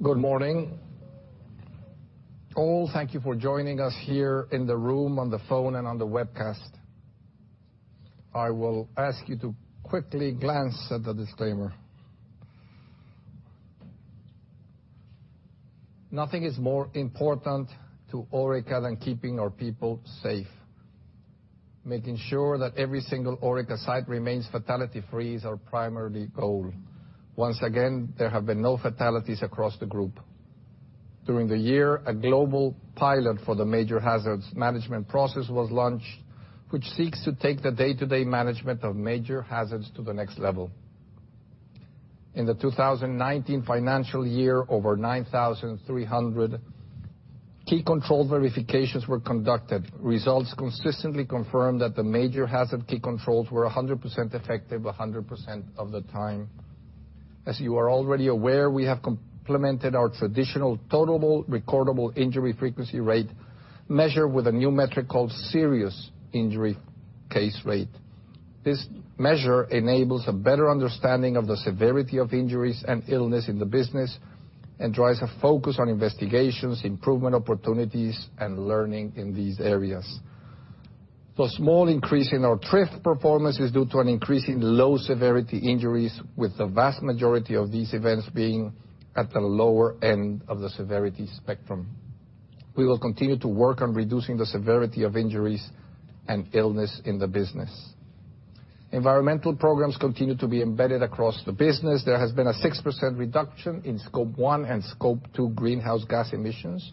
Good morning, all. Thank you for joining us here in the room, on the phone, and on the webcast. I will ask you to quickly glance at the disclaimer. Nothing is more important to Orica than keeping our people safe. Making sure that every single Orica site remains fatality-free is our primary goal. Once again, there have been no fatalities across the group. During the year, a global pilot for the major hazards management process was launched, which seeks to take the day-to-day management of major hazards to the next level. In the 2019 financial year, over 9,300 key control verifications were conducted. Results consistently confirmed that the major hazard key controls were 100% effective, 100% of the time. As you are already aware, we have complemented our traditional Total Recordable Injury Frequency Rate measure with a new metric called Serious Injury Case Rate. This measure enables a better understanding of the severity of injuries and illness in the business and drives a focus on investigations, improvement opportunities, and learning in these areas. The small increase in our TRIF performance is due to an increase in low-severity injuries, with the vast majority of these events being at the lower end of the severity spectrum. We will continue to work on reducing the severity of injuries and illness in the business. Environmental programs continue to be embedded across the business. There has been a 6% reduction in Scope 1 and Scope 2 greenhouse gas emissions,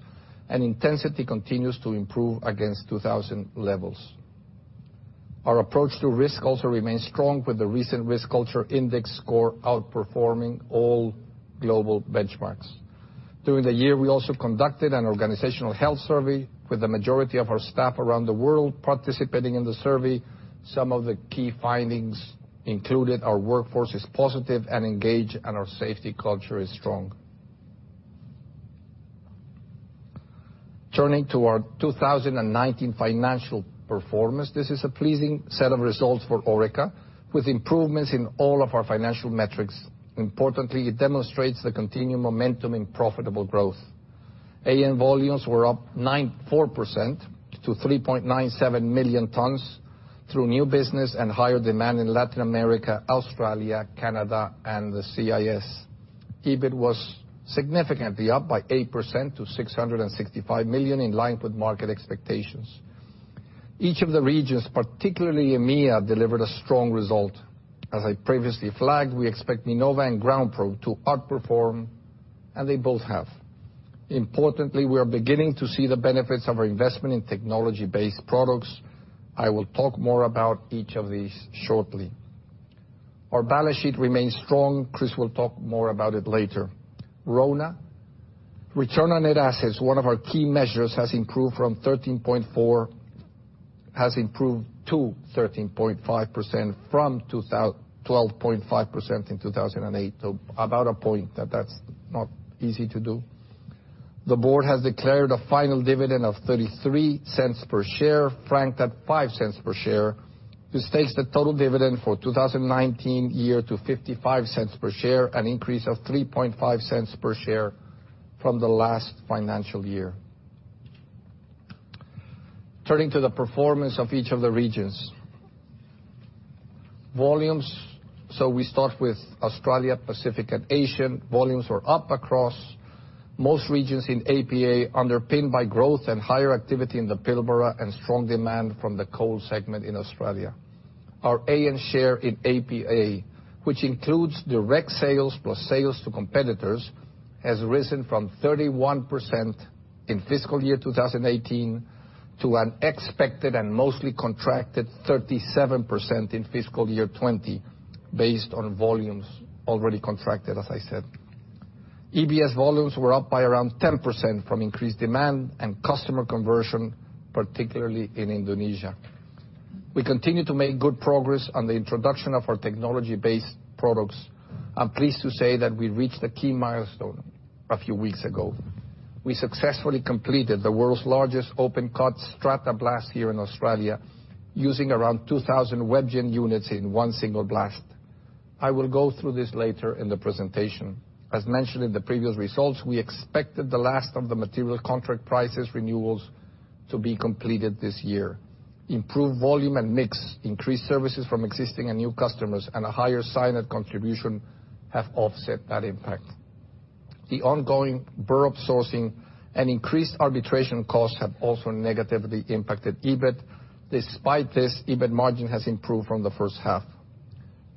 and intensity continues to improve against 2000 levels. Our approach to risk also remains strong with the recent risk culture index score outperforming all global benchmarks. During the year, we also conducted an organizational health survey with the majority of our staff around the world participating in the survey. Some of the key findings included our workforce is positive and engaged, and our safety culture is strong. Turning to our 2019 financial performance. This is a pleasing set of results for Orica, with improvements in all of our financial metrics. Importantly, it demonstrates the continuing momentum in profitable growth. AN volumes were up 4% to 3.97 million tons through new business and higher demand in Latin America, Australia, Canada, and the CIS. EBIT was significantly up by 8% to 665 million, in line with market expectations. Each of the regions, particularly EMEA, delivered a strong result. As I previously flagged, we expect Minova and GroundProbe to outperform, and they both have. Importantly, we are beginning to see the benefits of our investment in technology-based products. I will talk more about each of these shortly. Our balance sheet remains strong. Chris will talk more about it later. RONA, Return on Net Assets, one of our key measures, has improved to 13.5% from 12.5% in 2018 to about a point that's not easy to do. The board has declared a final dividend of 0.33 per share, franked at 0.05 per share. This takes the total dividend for 2019 year to 0.55 per share, an increase of 0.035 per share from the last financial year. Turning to the performance of each of the regions. Volumes. We start with Australia, Pacific, and Asia. Volumes are up across most regions in APA, underpinned by growth and higher activity in the Pilbara and strong demand from the coal segment in Australia. Our AN share in APA, which includes direct sales plus sales to competitors, has risen from 31% in FY 2018 to an expected and mostly contracted 37% in FY 2020, based on volumes already contracted, as I said. EBS volumes were up by around 10% from increased demand and customer conversion, particularly in Indonesia. We continue to make good progress on the introduction of our technology-based products. I'm pleased to say that we reached a key milestone a few weeks ago. We successfully completed the world's largest open cut stratablast here in Australia using around 2,000 WebGen units in one single blast. I will go through this later in the presentation. As mentioned in the previous results, we expected the last of the material contract prices renewals to be completed this year. Improved volume and mix, increased services from existing and new customers, and a higher cyanide contribution have offset that impact. The ongoing Burrup sourcing and increased arbitration costs have also negatively impacted EBIT. Despite this, EBIT margin has improved from the first half.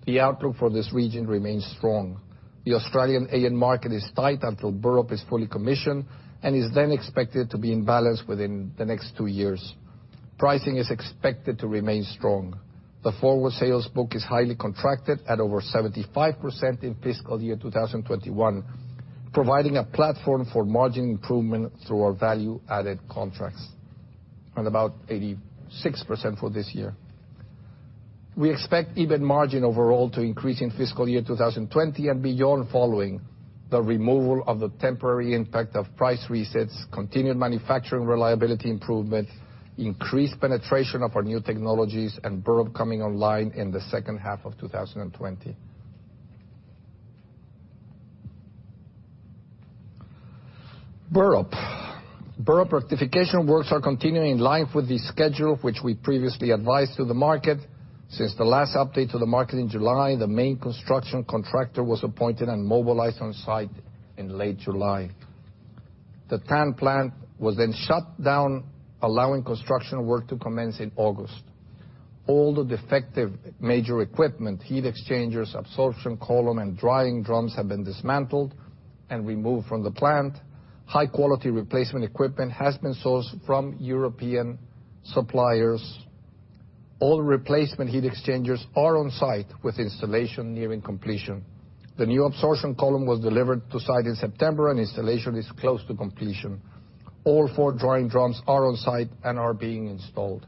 The outlook for this region remains strong. The Australian AN market is tight until Burrup is fully commissioned and is then expected to be in balance within the next two years. Pricing is expected to remain strong. The forward sales book is highly contracted at over 75% in FY 2021, providing a platform for margin improvement through our value-added contracts, and about 86% for this year. We expect EBIT margin overall to increase in FY 2020 and beyond following the removal of the temporary impact of price resets, continued manufacturing reliability improvement, increased penetration of our new technologies, and Burrup coming online in the second half of 2020. Burrup. Burrup rectification works are continuing in line with the schedule, which we previously advised to the market. Since the last update to the market in July, the main construction contractor was appointed and mobilized on site in late July. The TAN plant was shut down, allowing construction work to commence in August. All the defective major equipment, heat exchangers, absorption column, and drying drums, have been dismantled and removed from the plant. High-quality replacement equipment has been sourced from European suppliers. All replacement heat exchangers are on-site, with installation nearing completion. The new absorption column was delivered to site in September, and installation is close to completion. All four drying drums are on-site and are being installed.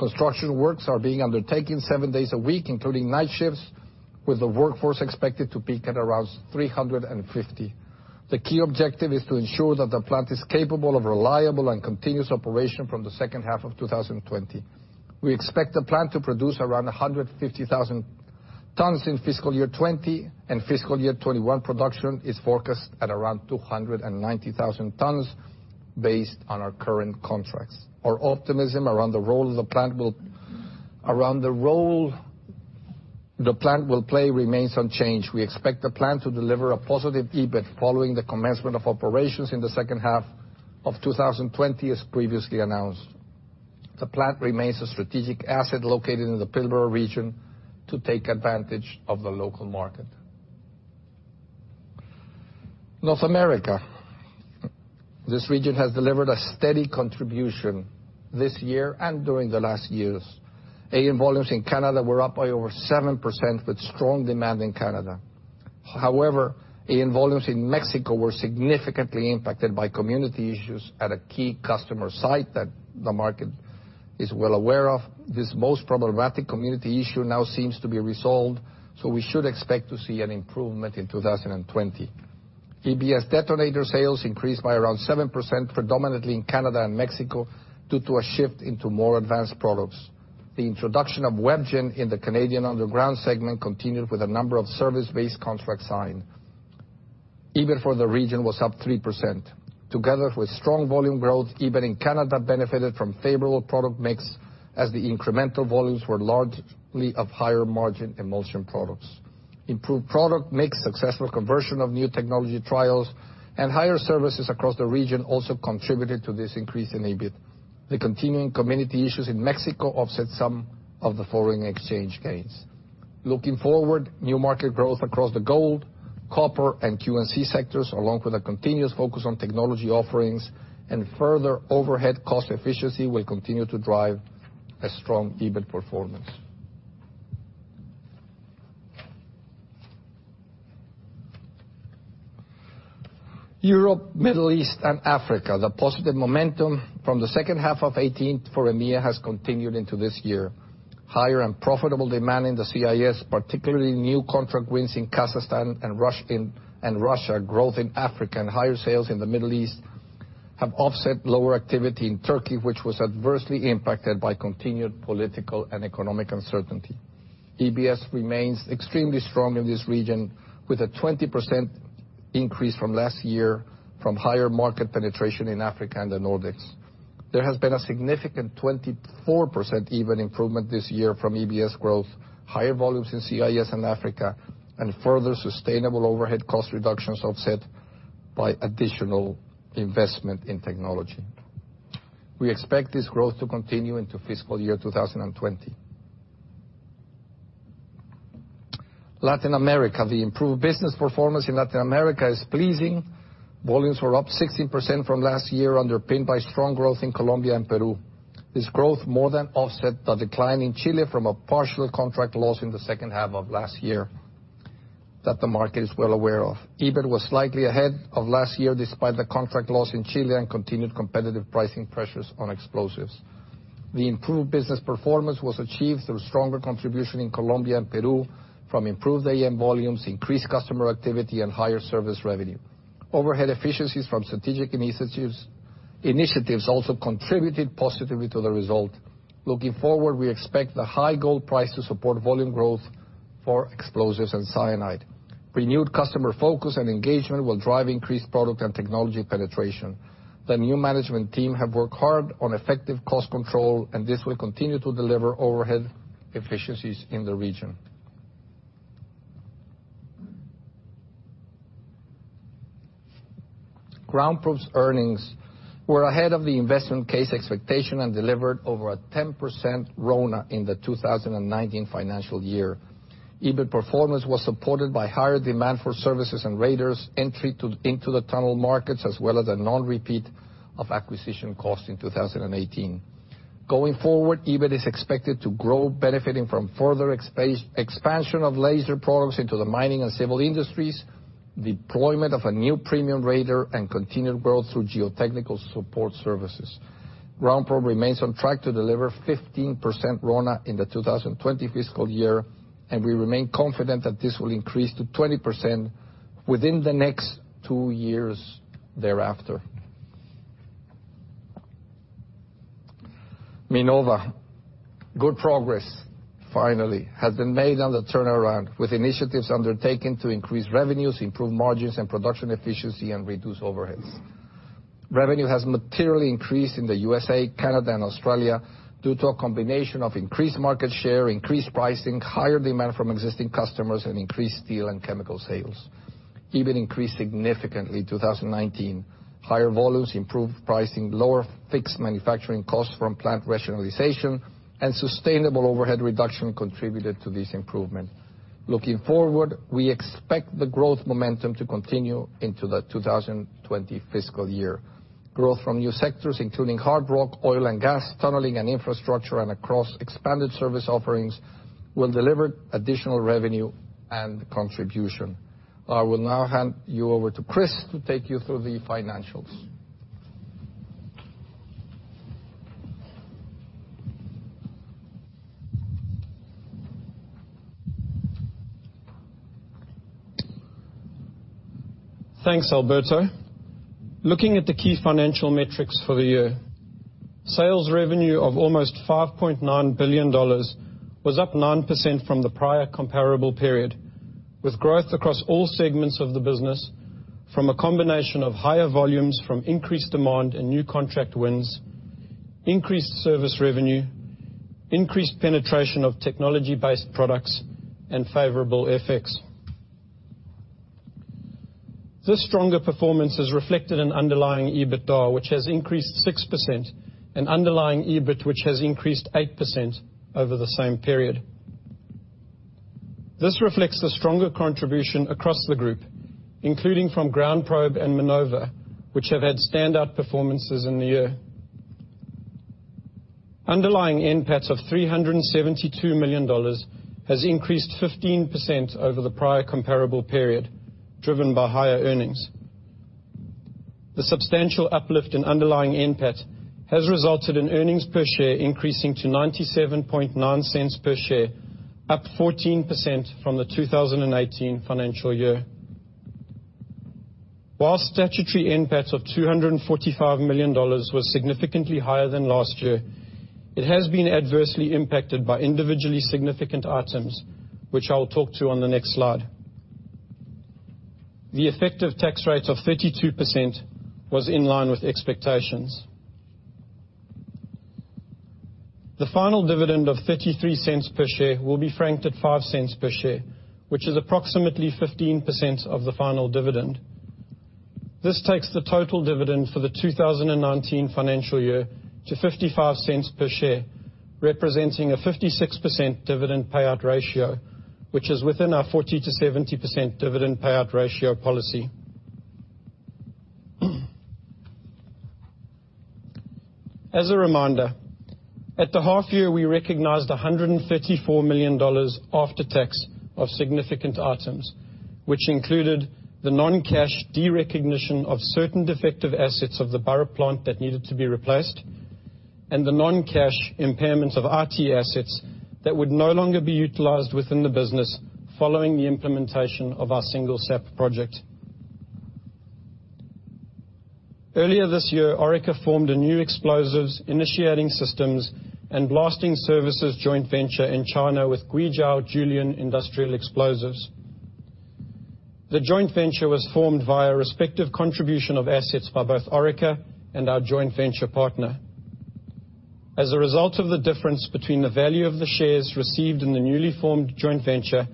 Construction works are being undertaken seven days a week, including night shifts, with the workforce expected to peak at around 350. The key objective is to ensure that the plant is capable of reliable and continuous operation from the second half of 2020. We expect the plant to produce around 150,000 tons in FY 2020, and FY 2021 production is forecast at around 290,000 tons based on our current contracts. Our optimism around the role the plant will play remains unchanged. We expect the plant to deliver a positive EBIT following the commencement of operations in the second half of 2020, as previously announced. The plant remains a strategic asset located in the Pilbara region to take advantage of the local market. North America. This region has delivered a steady contribution this year and during the last years. AN volumes in Canada were up by over 7%, with strong demand in Canada. However, AN volumes in Mexico were significantly impacted by community issues at a key customer site that the market is well aware of. This most problematic community issue now seems to be resolved, we should expect to see an improvement in 2020. EBS detonator sales increased by around 7%, predominantly in Canada and Mexico, due to a shift into more advanced products. The introduction of WebGen in the Canadian underground segment continued with a number of service-based contracts signed. EBIT for the region was up 3%. Together with strong volume growth, EBIT in Canada benefited from favorable product mix, as the incremental volumes were largely of higher margin emulsion products. Improved product mix, successful conversion of new technology trials, and higher services across the region also contributed to this increase in EBIT. The continuing community issues in Mexico offset some of the foreign exchange gains. Looking forward, new market growth across the gold, copper, and QMC sectors, along with a continuous focus on technology offerings and further overhead cost efficiency, will continue to drive a strong EBIT performance. Europe, Middle East, and Africa. The positive momentum from the second half of 2018 for EMEA has continued into this year. Higher and profitable demand in the CIS, particularly new contract wins in Kazakhstan and Russia, growth in Africa, and higher sales in the Middle East have offset lower activity in Turkey, which was adversely impacted by continued political and economic uncertainty. EBS remains extremely strong in this region, with a 20% increase from last year from higher market penetration in Africa and the Nordics. There has been a significant 24% EBIT improvement this year from EBS growth, higher volumes in CIS and Africa, and further sustainable overhead cost reductions offset by additional investment in technology. We expect this growth to continue into fiscal year 2020. Latin America. The improved business performance in Latin America is pleasing. Volumes were up 16% from last year, underpinned by strong growth in Colombia and Peru. This growth more than offset the decline in Chile from a partial contract loss in the second half of last year that the market is well aware of. EBIT was slightly ahead of last year, despite the contract loss in Chile and continued competitive pricing pressures on explosives. The improved business performance was achieved through stronger contribution in Colombia and Peru from improved AN volumes, increased customer activity, and higher service revenue. Overhead efficiencies from strategic initiatives also contributed positively to the result. Looking forward, we expect the high gold price to support volume growth for explosives and cyanide. Renewed customer focus and engagement will drive increased product and technology penetration. The new management team have worked hard on effective cost control, this will continue to deliver overhead efficiencies in the region. GroundProbe's earnings were ahead of the investment case expectation and delivered over a 10% RONA in the 2019 financial year. EBIT performance was supported by higher demand for services and radars, entry into the tunnel markets, as well as a non-repeat of acquisition costs in 2018. Going forward, EBIT is expected to grow, benefiting from further expansion of laser products into the mining and civil industries, deployment of a new premium radar, and continued growth through geotechnical support services. GroundProbe remains on track to deliver 15% RONA in the 2020 fiscal year, and we remain confident that this will increase to 20% within the next two years thereafter. Minova. Good progress, finally, has been made on the turnaround, with initiatives undertaken to increase revenues, improve margins and production efficiency, and reduce overheads. Revenue has materially increased in the USA, Canada, and Australia due to a combination of increased market share, increased pricing, higher demand from existing customers, and increased steel and chemical sales. EBIT increased significantly in 2019. Higher volumes, improved pricing, lower fixed manufacturing costs from plant rationalization, and sustainable overhead reduction contributed to this improvement. Looking forward, we expect the growth momentum to continue into the 2020 fiscal year. Growth from new sectors, including hard rock, oil and gas, tunneling and infrastructure, and across expanded service offerings will deliver additional revenue and contribution. I will now hand you over to Chris to take you through the financials. Thanks, Alberto. Looking at the key financial metrics for the year, sales revenue of almost 5.9 billion dollars was up 9% from the prior comparable period, with growth across all segments of the business from a combination of higher volumes from increased demand and new contract wins, increased service revenue, increased penetration of technology-based products, and favorable FX. This stronger performance is reflected in underlying EBITDA, which has increased 6%, and underlying EBIT, which has increased 8% over the same period. This reflects the stronger contribution across the group, including from GroundProbe and Minova, which have had standout performances in the year. Underlying NPAT of 372 million dollars has increased 15% over the prior comparable period, driven by higher earnings. The substantial uplift in underlying NPAT has resulted in earnings per share increasing to 0.9790 per share, up 14% from the 2018 financial year. While statutory NPAT of 245 million dollars was significantly higher than last year, it has been adversely impacted by individually significant items, which I will talk to on the next slide. The effective tax rate of 32% was in line with expectations. The final dividend of 0.33 per share will be franked at 0.05 per share, which is approximately 15% of the final dividend. This takes the total dividend for the 2019 financial year to 0.55 per share, representing a 56% dividend payout ratio, which is within our 40%-70% dividend payout ratio policy. As a reminder, at the half year, we recognized 134 million dollars after-tax of significant items, which included the non-cash derecognition of certain defective assets of the Burrup plant that needed to be replaced and the non-cash impairment of IT assets that would no longer be utilized within the business following the implementation of our single SAP project. Earlier this year, Orica formed a new explosives initiating systems and blasting services joint venture in China with Guizhou Jiulian Industrial Explosives. The joint venture was formed via respective contribution of assets by both Orica and our joint venture partner. As a result of the difference between the value of the shares received in the newly formed joint venture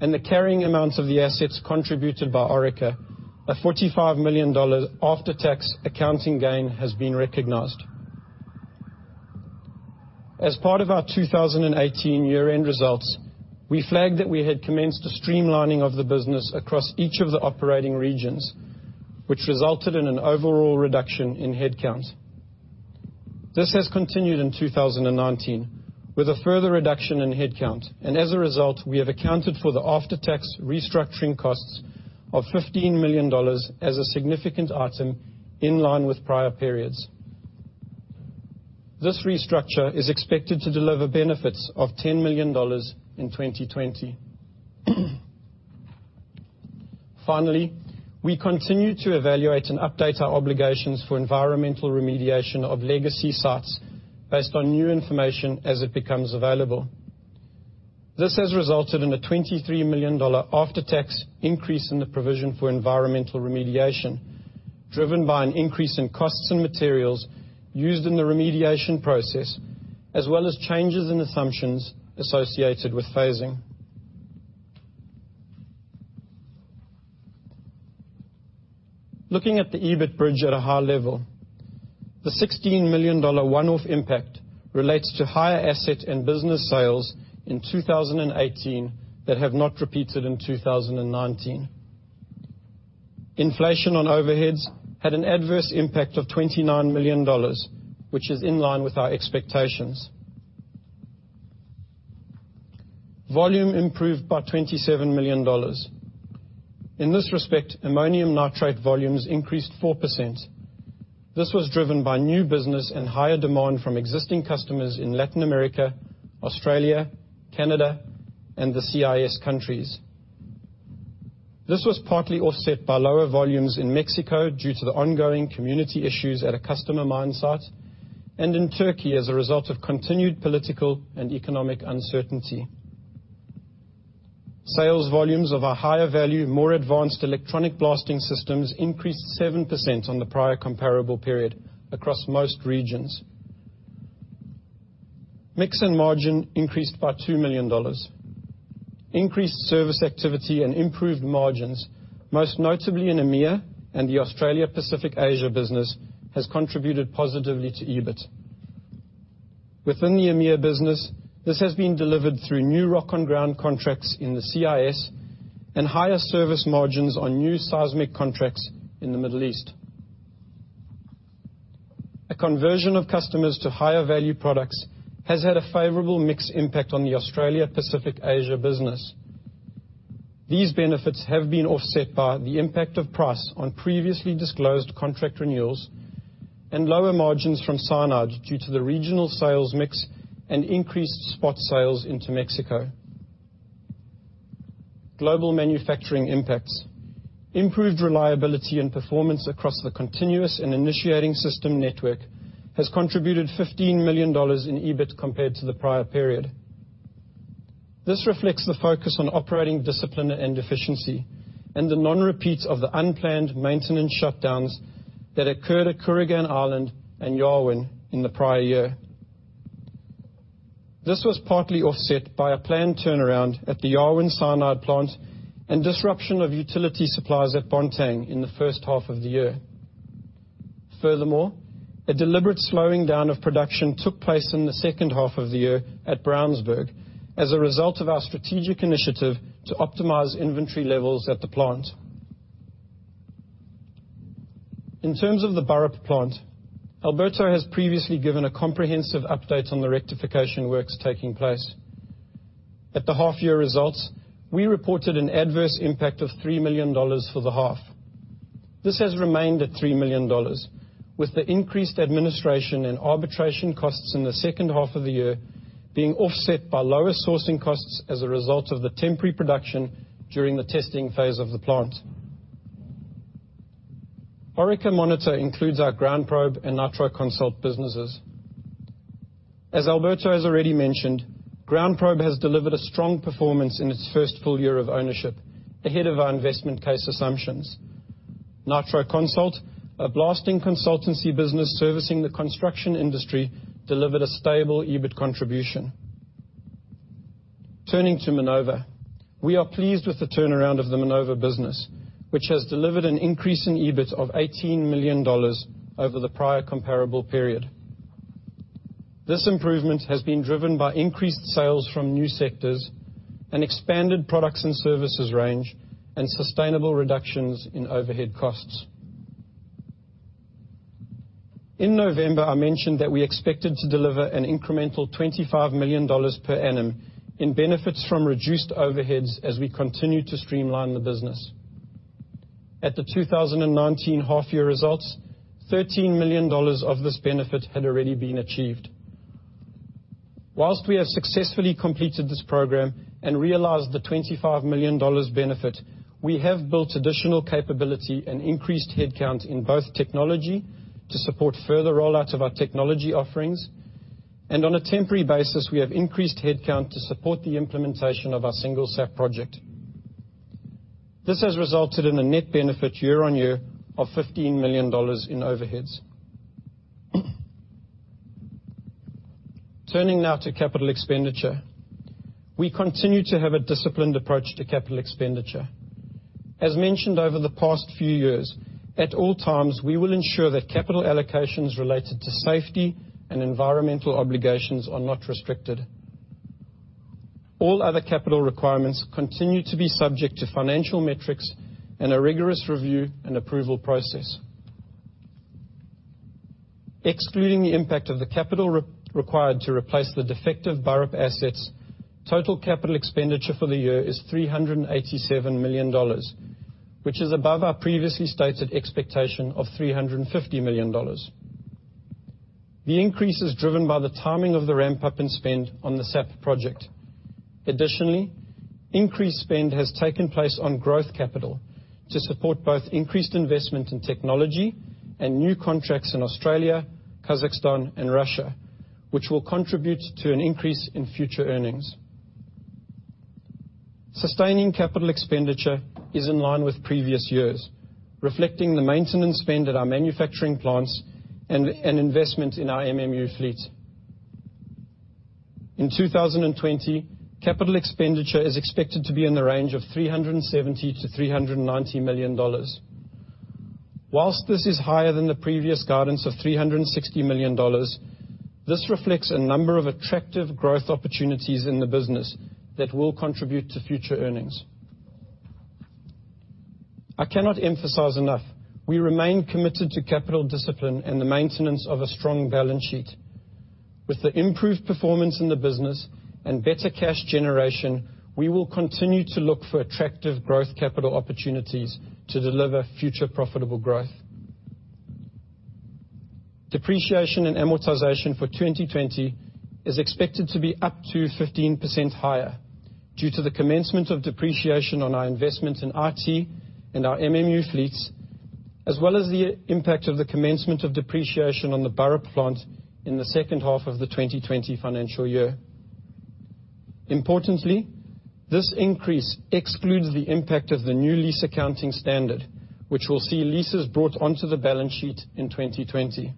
and the carrying amounts of the assets contributed by Orica, an 45 million dollars after-tax accounting gain has been recognized. As part of our 2018 year-end results, we flagged that we had commenced a streamlining of the business across each of the operating regions, which resulted in an overall reduction in headcount. This has continued in 2019 with a further reduction in headcount, and as a result, we have accounted for the after-tax restructuring costs of 15 million dollars as a significant item in line with prior periods. This restructure is expected to deliver benefits of 10 million dollars in 2020. Finally, we continue to evaluate and update our obligations for environmental remediation of legacy sites based on new information as it becomes available. This has resulted in an 23 million dollar after-tax increase in the provision for environmental remediation, driven by an increase in costs and materials used in the remediation process, as well as changes in assumptions associated with phasing. Looking at the EBIT bridge at a high level, the 16 million dollar one-off impact relates to higher asset and business sales in 2018 that have not repeated in 2019. Inflation on overheads had an adverse impact of 29 million dollars, which is in line with our expectations. Volume improved by 27 million dollars. In this respect, Ammonium Nitrate volumes increased 4%. This was driven by new business and higher demand from existing customers in Latin America, Australia, Canada, and the CIS countries. This was partly offset by lower volumes in Mexico due to the ongoing community issues at a customer mine site, and in Turkey as a result of continued political and economic uncertainty. Sales volumes of our higher value, more advanced electronic blasting systems increased 7% on the prior comparable period across most regions. Mix and margin increased by 2 million dollars. Increased service activity and improved margins, most notably in EMEA and the Australia Pacific Asia business, has contributed positively to EBIT. Within the EMEA business, this has been delivered through new rock on ground contracts in the CIS and higher service margins on new seismic contracts in the Middle East. A conversion of customers to higher value products has had a favorable mix impact on the Australia Pacific Asia business. These benefits have been offset by the impact of price on previously disclosed contract renewals and lower margins from cyanide due to the regional sales mix and increased spot sales into Mexico. Global manufacturing impacts. Improved reliability and performance across the continuous and initiating system network has contributed 15 million dollars in EBIT compared to the prior period. This reflects the focus on operating discipline and efficiency and the non-repeats of the unplanned maintenance shutdowns that occurred at Kooragang Island and Yarwun in the prior year. This was partly offset by a planned turnaround at the Yarwun cyanide plant and disruption of utility supplies at Bontang in the first half of the year. Furthermore, a deliberate slowing down of production took place in the second half of the year at Brownsburg as a result of our strategic initiative to optimize inventory levels at the plant. In terms of the Burrup plant, Alberto has previously given a comprehensive update on the rectification works taking place. At the half year results, we reported an adverse impact of 3 million dollars for the half. This has remained at 3 million dollars, with the increased administration and arbitration costs in the second half of the year being offset by lower sourcing costs as a result of the temporary production during the testing phase of the plant. Orica Monitor includes our GroundProbe and Nitro Consult businesses. As Alberto has already mentioned, GroundProbe has delivered a strong performance in its first full year of ownership, ahead of our investment case assumptions. Nitro Consult, a blasting consultancy business servicing the construction industry, delivered a stable EBIT contribution. Turning to Minova. We are pleased with the turnaround of the Minova business, which has delivered an increase in EBIT of 18 million dollars over the prior comparable period. This improvement has been driven by increased sales from new sectors and expanded products and services range and sustainable reductions in overhead costs. In November, I mentioned that we expected to deliver an incremental 25 million dollars per annum in benefits from reduced overheads as we continue to streamline the business. At the 2019 half-year results, 13 million dollars of this benefit had already been achieved. Whilst we have successfully completed this program and realized the 25 million dollars benefit, we have built additional capability and increased headcount in both technology to support further rollout of our technology offerings, and on a temporary basis, we have increased headcount to support the implementation of our single SAP project. This has resulted in a net benefit year-on-year of 15 million dollars in overheads. Turning now to capital expenditure. We continue to have a disciplined approach to capital expenditure. As mentioned over the past few years, at all times, we will ensure that capital allocations related to safety and environmental obligations are not restricted. All other capital requirements continue to be subject to financial metrics and a rigorous review and approval process. Excluding the impact of the capital required to replace the defective Burrup assets, total capital expenditure for the year is 387 million dollars, which is above our previously stated expectation of 350 million dollars. The increase is driven by the timing of the ramp-up in spend on the SAP project. Additionally, increased spend has taken place on growth capital to support both increased investment in technology and new contracts in Australia, Kazakhstan, and Russia, which will contribute to an increase in future earnings. Sustaining capital expenditure is in line with previous years, reflecting the maintenance spend at our manufacturing plants and an investment in our MMU fleet. In 2020, capital expenditure is expected to be in the range of 370 million-390 million dollars. Whilst this is higher than the previous guidance of 360 million dollars, this reflects a number of attractive growth opportunities in the business that will contribute to future earnings. I cannot emphasize enough, we remain committed to capital discipline and the maintenance of a strong balance sheet. With the improved performance in the business and better cash generation, we will continue to look for attractive growth capital opportunities to deliver future profitable growth. Depreciation and amortization for 2020 is expected to be up to 15% higher due to the commencement of depreciation on our investment in IT and our MMU fleets, as well as the impact of the commencement of depreciation on the Burrup plant in the second half of the 2020 financial year. Importantly, this increase excludes the impact of the new lease accounting standard, which will see leases brought onto the balance sheet in 2020.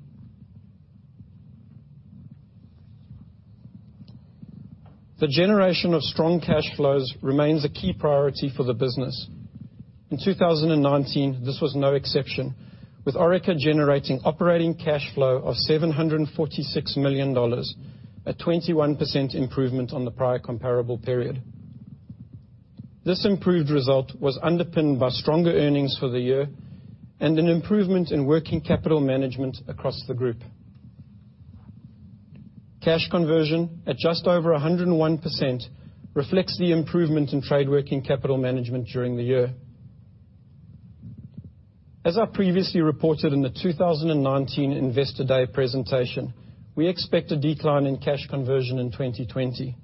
The generation of strong cash flows remains a key priority for the business. In 2019, this was no exception, with Orica generating operating cash flow of 746 million dollars, a 21% improvement on the prior comparable period. This improved result was underpinned by stronger earnings for the year and an improvement in working capital management across the group. Cash conversion at just over 101% reflects the improvement in trade working capital management during the year. As I previously reported in the 2019 Investor Day presentation, we expect a decline in cash conversion in 2020.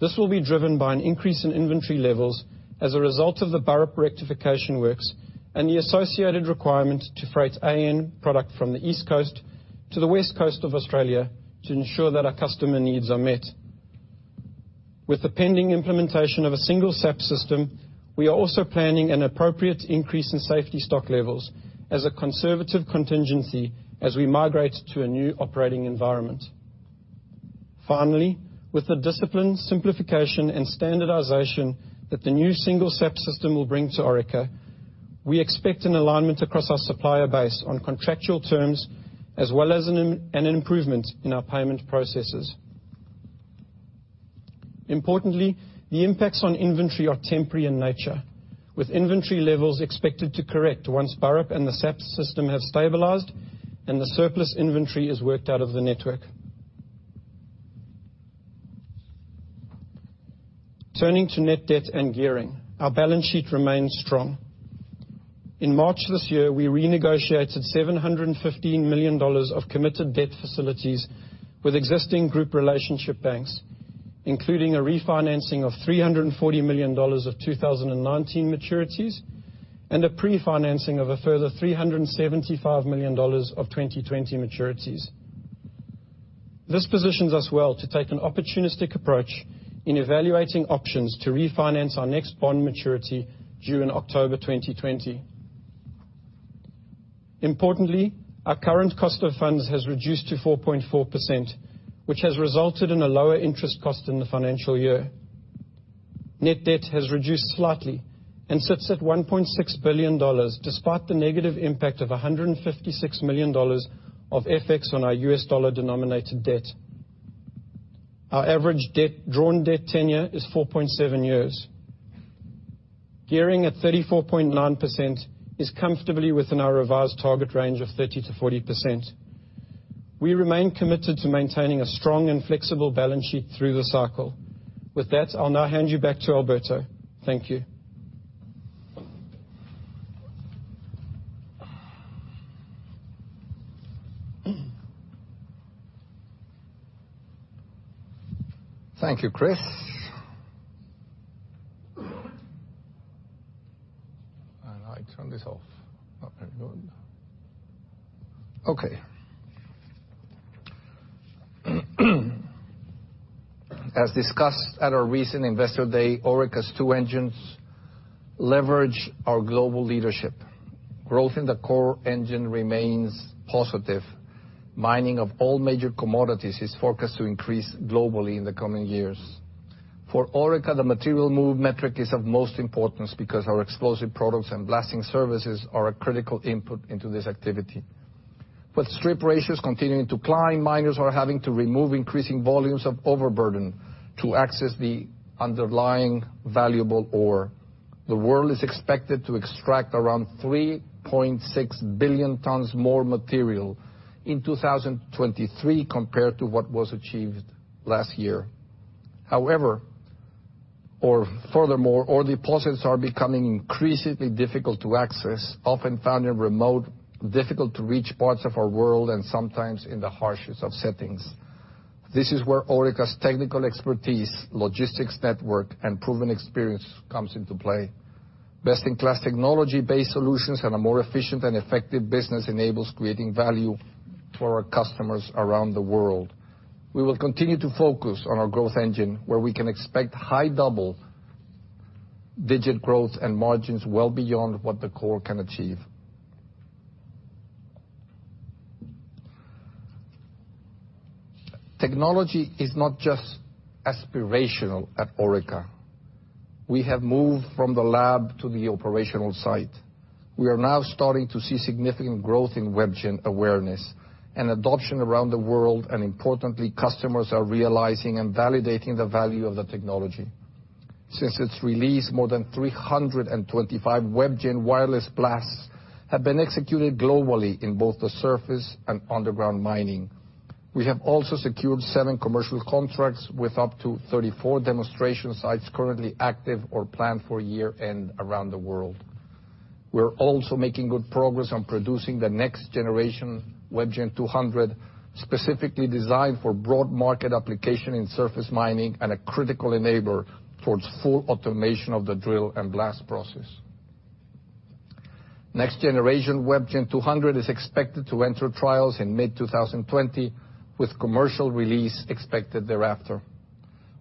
This will be driven by an increase in inventory levels as a result of the Burrup rectification works and the associated requirement to freight AN product from the East Coast to the West Coast of Australia to ensure that our customer needs are met. With the pending implementation of a single SAP system, we are also planning an appropriate increase in safety stock levels as a conservative contingency as we migrate to a new operating environment. Finally, with the discipline, simplification, and standardization that the new single SAP system will bring to Orica, we expect an alignment across our supplier base on contractual terms, as well as an improvement in our payment processes. Importantly, the impacts on inventory are temporary in nature, with inventory levels expected to correct once Burrup and the SAP system have stabilized and the surplus inventory is worked out of the network. Turning to net debt and gearing. Our balance sheet remains strong. In March this year, we renegotiated AUD 715 million of committed debt facilities with existing group relationship banks, including a refinancing of 340 million dollars of 2019 maturities and a pre-financing of a further 375 million dollars of 2020 maturities. This positions us well to take an opportunistic approach in evaluating options to refinance our next bond maturity due in October 2020. Importantly, our current cost of funds has reduced to 4.4%, which has resulted in a lower interest cost in the financial year. Net debt has reduced slightly and sits at 1.6 billion dollars, despite the negative impact of $156 million of FX on our US dollar denominated debt. Our average drawn debt tenure is 4.7 years. Gearing at 34.9% is comfortably within our revised target range of 30%-40%. We remain committed to maintaining a strong and flexible balance sheet through the cycle. With that, I'll now hand you back to Alberto. Thank you. Thank you, Chris. I turn this off. Okay, good. Okay. As discussed at our recent Investor Day, Orica's two engines leverage our global leadership. Growth in the core engine remains positive. Mining of all major commodities is forecast to increase globally in the coming years. For Orica, the material move metric is of most importance because our explosive products and blasting services are a critical input into this activity. With strip ratios continuing to climb, miners are having to remove increasing volumes of overburden to access the underlying valuable ore. The world is expected to extract around 3.6 billion tons more material in 2023 compared to what was achieved last year. Furthermore, ore deposits are becoming increasingly difficult to access, often found in remote, difficult-to-reach parts of our world and sometimes in the harshest of settings. This is where Orica's technical expertise, logistics network, and proven experience comes into play. Best-in-class technology-based solutions and a more efficient and effective business enables creating value for our customers around the world. We will continue to focus on our growth engine, where we can expect high double-digit growth and margins well beyond what the core can achieve. Technology is not just aspirational at Orica. We have moved from the lab to the operational site. We are now starting to see significant growth in WebGen awareness and adoption around the world, and importantly, customers are realizing and validating the value of the technology. Since its release, more than 325 WebGen wireless blasts have been executed globally in both the surface and underground mining. We have also secured seven commercial contracts with up to 34 demonstration sites currently active or planned for year-end around the world. We are also making good progress on producing the next generation WebGen 200, specifically designed for broad market application in surface mining and a critical enabler towards full automation of the drill and blast process. Next generation WebGen 200 is expected to enter trials in mid-2020 with commercial release expected thereafter.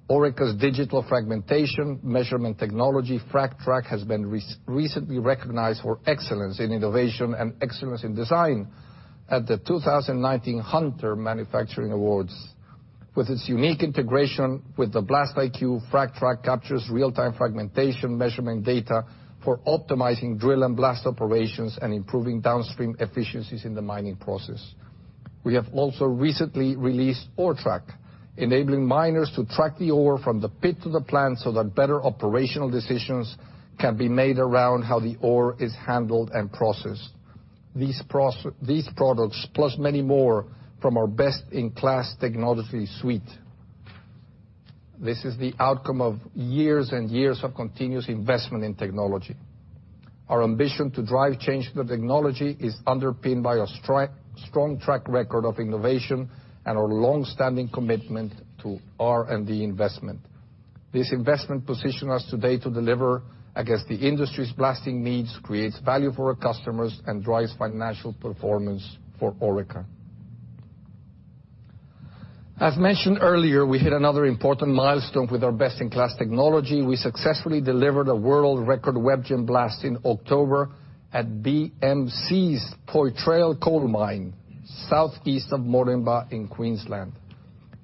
Orica's digital fragmentation measurement technology, FRAGTrack, has been recently recognized for excellence in innovation and excellence in design at the 2019 Hunter Manufacturing Awards. With its unique integration with the BlastIQ, FRAGTrack captures real-time fragmentation measurement data for optimizing drill and blast operations and improving downstream efficiencies in the mining process. We have also recently released ORETrack, enabling miners to track the ore from the pit to the plant so that better operational decisions can be made around how the ore is handled and processed. These products, plus many more from our best-in-class technology suite. This is the outcome of years and years of continuous investment in technology. Our ambition to drive change to the technology is underpinned by a strong track record of innovation and our long-standing commitment to R&D investment. This investment positions us today to deliver against the industry's blasting needs, creates value for our customers, and drives financial performance for Orica. As mentioned earlier, we hit another important milestone with our best-in-class technology. We successfully delivered a world record WebGen blast in October at BMA's Poitrel Coal Mine, southeast of Moranbah in Queensland.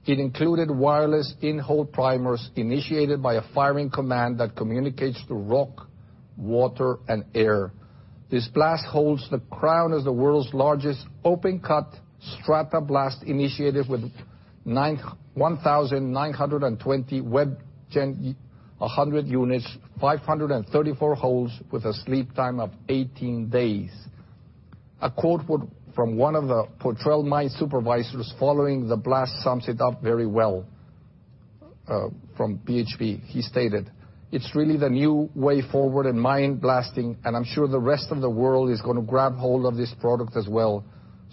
It included wireless in-hole primers initiated by a firing command that communicates through rock, water, and air. This blast holds the crown as the world's largest open cut stratablast, initiated with 1,920 WebGen 100 units, 534 holes with a sleep time of 18 days. A quote from one of the Poitrel Coal Mine supervisors following the blast sums it up very well from BHP. He stated, "It's really the new way forward in mine blasting, and I'm sure the rest of the world is going to grab hold of this product as well.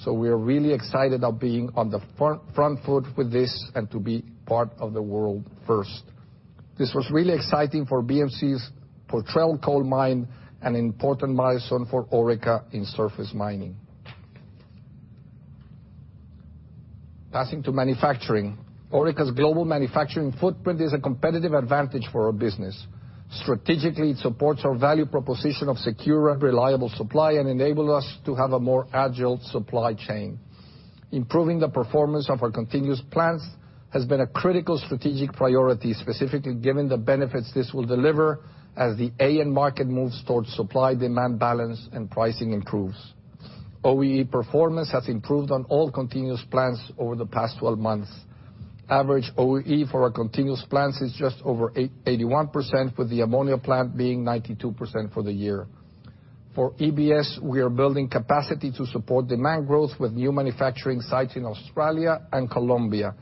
We're really excited of being on the front foot with this and to be part of the world first." This was really exciting for BMA's Poitrel Coal Mine and an important milestone for Orica in surface mining. Passing to manufacturing. Orica's global manufacturing footprint is a competitive advantage for our business. Strategically, it supports our value proposition of secure and reliable supply and enables us to have a more agile supply chain. Improving the performance of our continuous plants has been a critical strategic priority, specifically given the benefits this will deliver as the AN market moves towards supply-demand balance and pricing improves. OEE performance has improved on all continuous plants over the past 12 months. Average OEE for our continuous plants is just over 81%, with the ammonia plant being 92% for the year. For EBS, we are building capacity to support demand growth with new manufacturing sites in Australia and Colombia.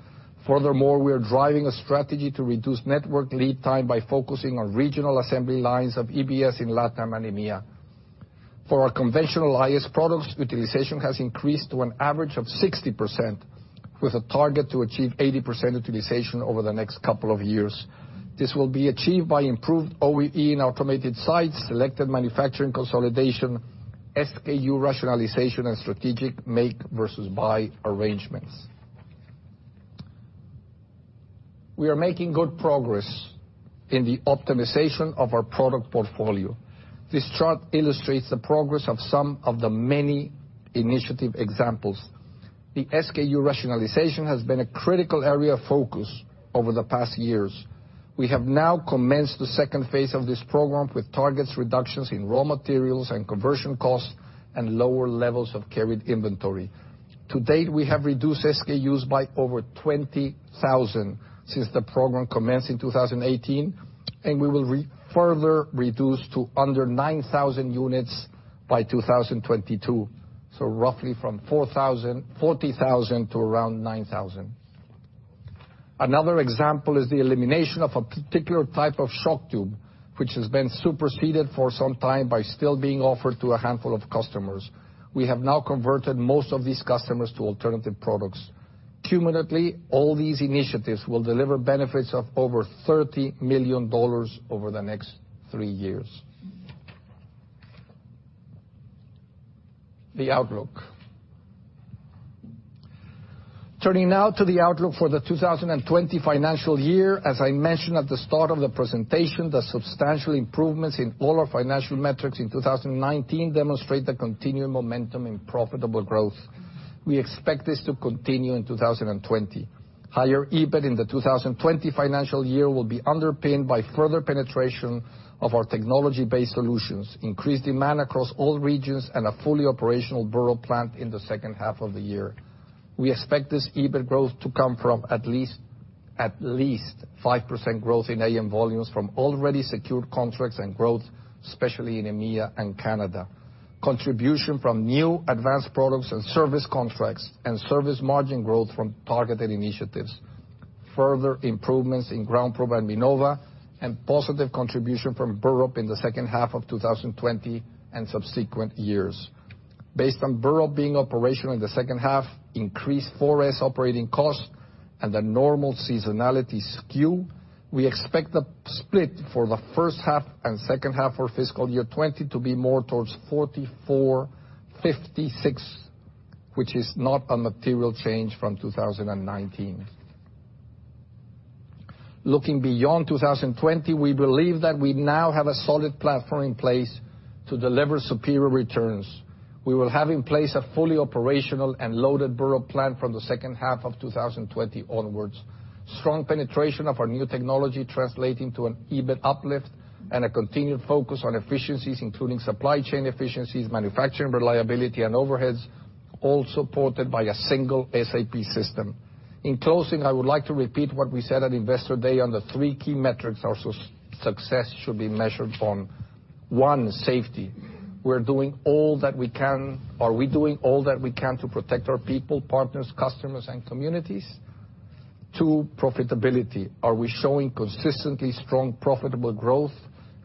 Furthermore, we are driving a strategy to reduce network lead time by focusing on regional assembly lines of EBS in LATAM and EMEA. For our conventional IS products, utilization has increased to an average of 60%, with a target to achieve 80% utilization over the next couple of years. This will be achieved by improved OEE in automated sites, selected manufacturing consolidation, SKU rationalization, and strategic make versus buy arrangements. We are making good progress in the optimization of our product portfolio. This chart illustrates the progress of some of the many initiative examples. The SKU rationalization has been a critical area of focus over the past years. We have now commenced the second phase of this program with targets reductions in raw materials and conversion costs and lower levels of carried inventory. To date, we have reduced SKUs by over 20,000 since the program commenced in 2018, and we will further reduce to under 9,000 units by 2022. Roughly from 40,000 to around 9,000. Another example is the elimination of a particular type of shock tube, which has been superseded for some time by still being offered to a handful of customers. Cumulatively, all these initiatives will deliver benefits of over 30 million dollars over the next three years. The outlook. Turning now to the outlook for the 2020 financial year. As I mentioned at the start of the presentation, the substantial improvements in all our financial metrics in 2019 demonstrate the continuing momentum in profitable growth. We expect this to continue in 2020. Higher EBIT in the 2020 financial year will be underpinned by further penetration of our technology-based solutions, increased demand across all regions, and a fully operational Burrup plant in the second half of the year. We expect this EBIT growth to come from at least 5% growth in AN volumes from already secured contracts and growth, especially in EMEA and Canada. Contribution from new advanced products and service contracts and service margin growth from targeted initiatives. Further improvements in GroundProbe and Minova and positive contribution from Burrup in the second half of 2020 and subsequent years. Based on Burrup being operational in the second half, increased forest operating costs and a normal seasonality skew, we expect the split for the first half and second half for fiscal year 2020 to be more towards 44/56, which is not a material change from 2019. Looking beyond 2020, we believe that we now have a solid platform in place to deliver superior returns. We will have in place a fully operational and loaded Burrup plant from the second half of 2020 onwards. Strong penetration of our new technology translating to an EBIT uplift and a continued focus on efficiencies, including supply chain efficiencies, manufacturing reliability and overheads, all supported by a single SAP system. In closing, I would like to repeat what we said at Investor Day on the three key metrics our success should be measured on. One, safety. We're doing all that we can. Are we doing all that we can to protect our people, partners, customers and communities? Two, profitability. Are we showing consistently strong, profitable growth,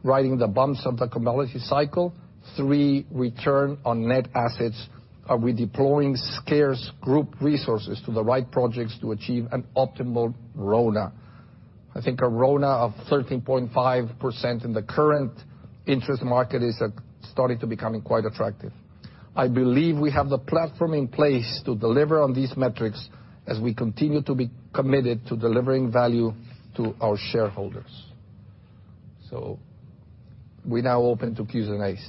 riding the bumps of the commodity cycle? Three, return on net assets. Are we deploying scarce group resources to the right projects to achieve an optimal RONA? I think a RONA of 13.5% in the current interest market is starting to becoming quite attractive. I believe we have the platform in place to deliver on these metrics as we continue to be committed to delivering value to our shareholders. We're now open to Q&As.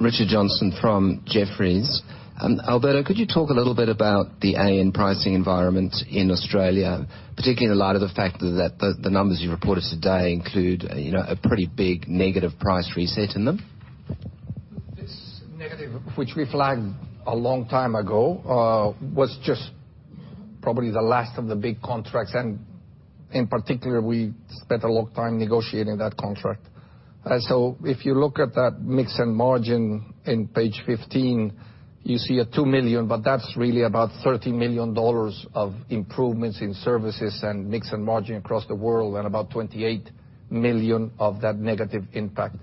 Richard Johnson from Jefferies. Alberto, could you talk a little bit about the AN pricing environment in Australia, particularly in light of the fact that the numbers you reported today include a pretty big negative price reset in them? This negative, which we flagged a long time ago, was just probably the last of the big contracts, and in particular, we spent a long time negotiating that contract. If you look at that mix and margin on page 15, you see an 2 million, but that's really about 30 million dollars of improvements in services and mix and margin across the world and about 28 million of that negative impact.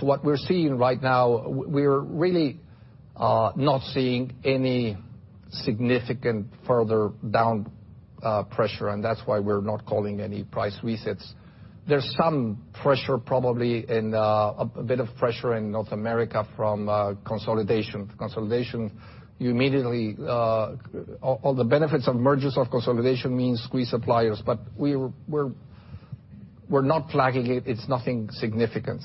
What we're seeing right now, we're really not seeing any significant further down pressure, and that's why we're not calling any price resets. There's some pressure probably and a bit of pressure in North America from consolidation. Consolidation, all the benefits of mergers of consolidation means squeeze suppliers. We're not flagging it. It's nothing significant.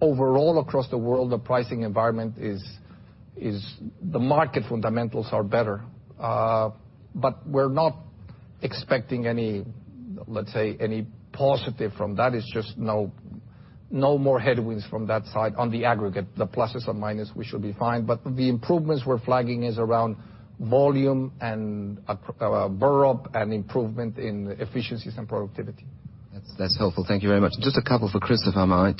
Overall, across the world, the pricing environment is the market fundamentals are better. We're not expecting any, let's say, any positive from that. It's just no more headwinds from that side on the aggregate. The pluses or minus, we should be fine. The improvements we're flagging is around volume and Burrup and improvement in efficiencies and productivity. That's helpful. Thank you very much. Just a couple for Chris, if I might.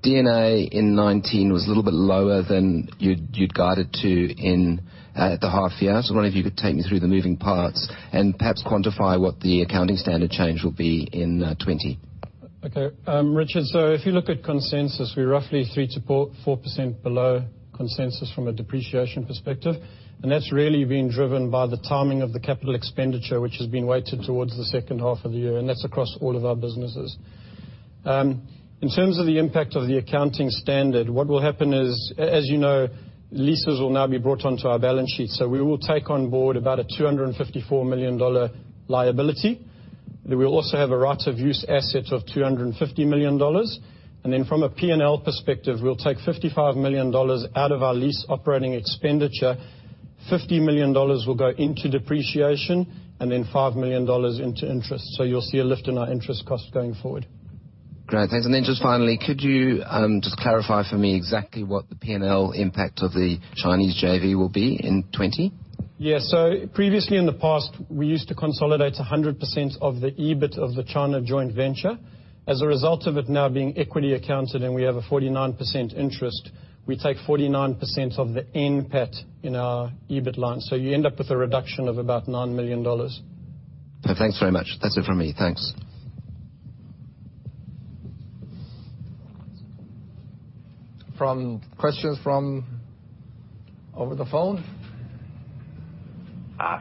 D&A in 2019 was a little bit lower than you'd guided to in the half year. I wonder if you could take me through the moving parts and perhaps quantify what the accounting standard change will be in 2020. Okay. Richard, if you look at consensus, we're roughly 3%-4% below consensus from a depreciation perspective, and that's really been driven by the timing of the capital expenditure, which has been weighted towards the second half of the year, and that's across all of our businesses. In terms of the impact of the accounting standard, what will happen is, as you know, leases will now be brought onto our balance sheet. We will take on board about an 254 million dollar liability. We will also have a right of use asset of 250 million dollars. From a P&L perspective, we'll take 55 million dollars out of our lease operating expenditure, 50 million dollars will go into depreciation and 5 million dollars into interest. You'll see a lift in our interest cost going forward. Great. Thanks. Just finally, could you just clarify for me exactly what the P&L impact of the Chinese JV will be in 2020? Yeah. Previously in the past, we used to consolidate 100% of the EBIT of the China joint venture. As a result of it now being equity accounted and we have a 49% interest, we take 49% of the NPAT in our EBIT line. You end up with a reduction of about 9 million dollars. Thanks very much. That's it from me. Thanks. Questions from over the phone?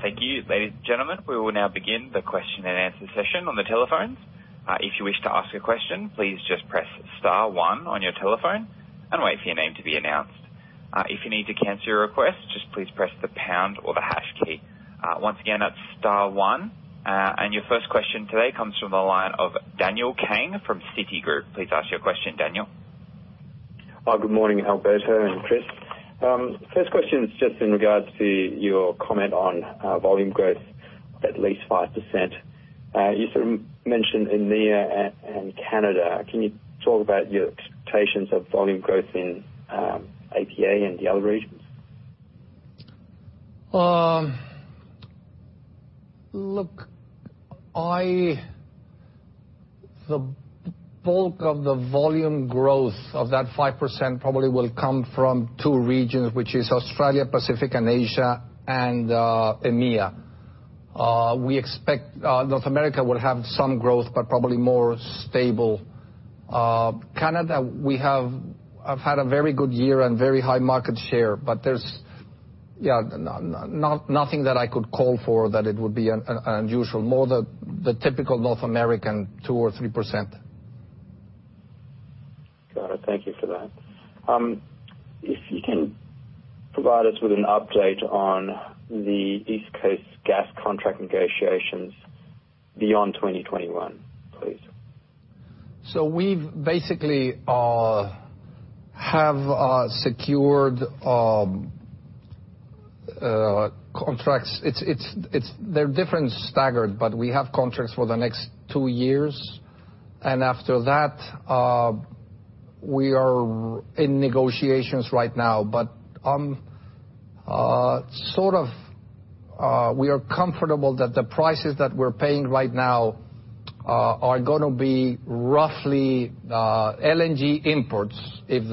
Thank you, ladies and gentlemen. We will now begin the question and answer session on the telephones. If you wish to ask a question, please just press star one on your telephone and wait for your name to be announced. If you need to cancel your request, just please press the pound or the hash key. Once again, that's star one. Your first question today comes from the line of Daniel Kang from Citigroup. Please ask your question, Daniel. Good morning, Alberto and Chris. First question is just in regards to your comment on volume growth at least 5%. You sort of mentioned EMEA and Canada. Can you talk about your expectations of volume growth in APA and the other regions? Look, the bulk of the volume growth of that 5% probably will come from two regions, which is Australia, Pacific and Asia, and EMEA. We expect North America will have some growth, but probably more stable. Canada, I've had a very good year and very high market share, but there's nothing that I could call for that it would be unusual. More the typical North American 2% or 3%. Got it. Thank you for that. If you can provide us with an update on the East Coast gas contract negotiations beyond 2021, please. We've basically have secured contracts. They're different staggered, but we have contracts for the next two years. After that, we are in negotiations right now. We are comfortable that the prices that we're paying right now are going to be roughly LNG imports, if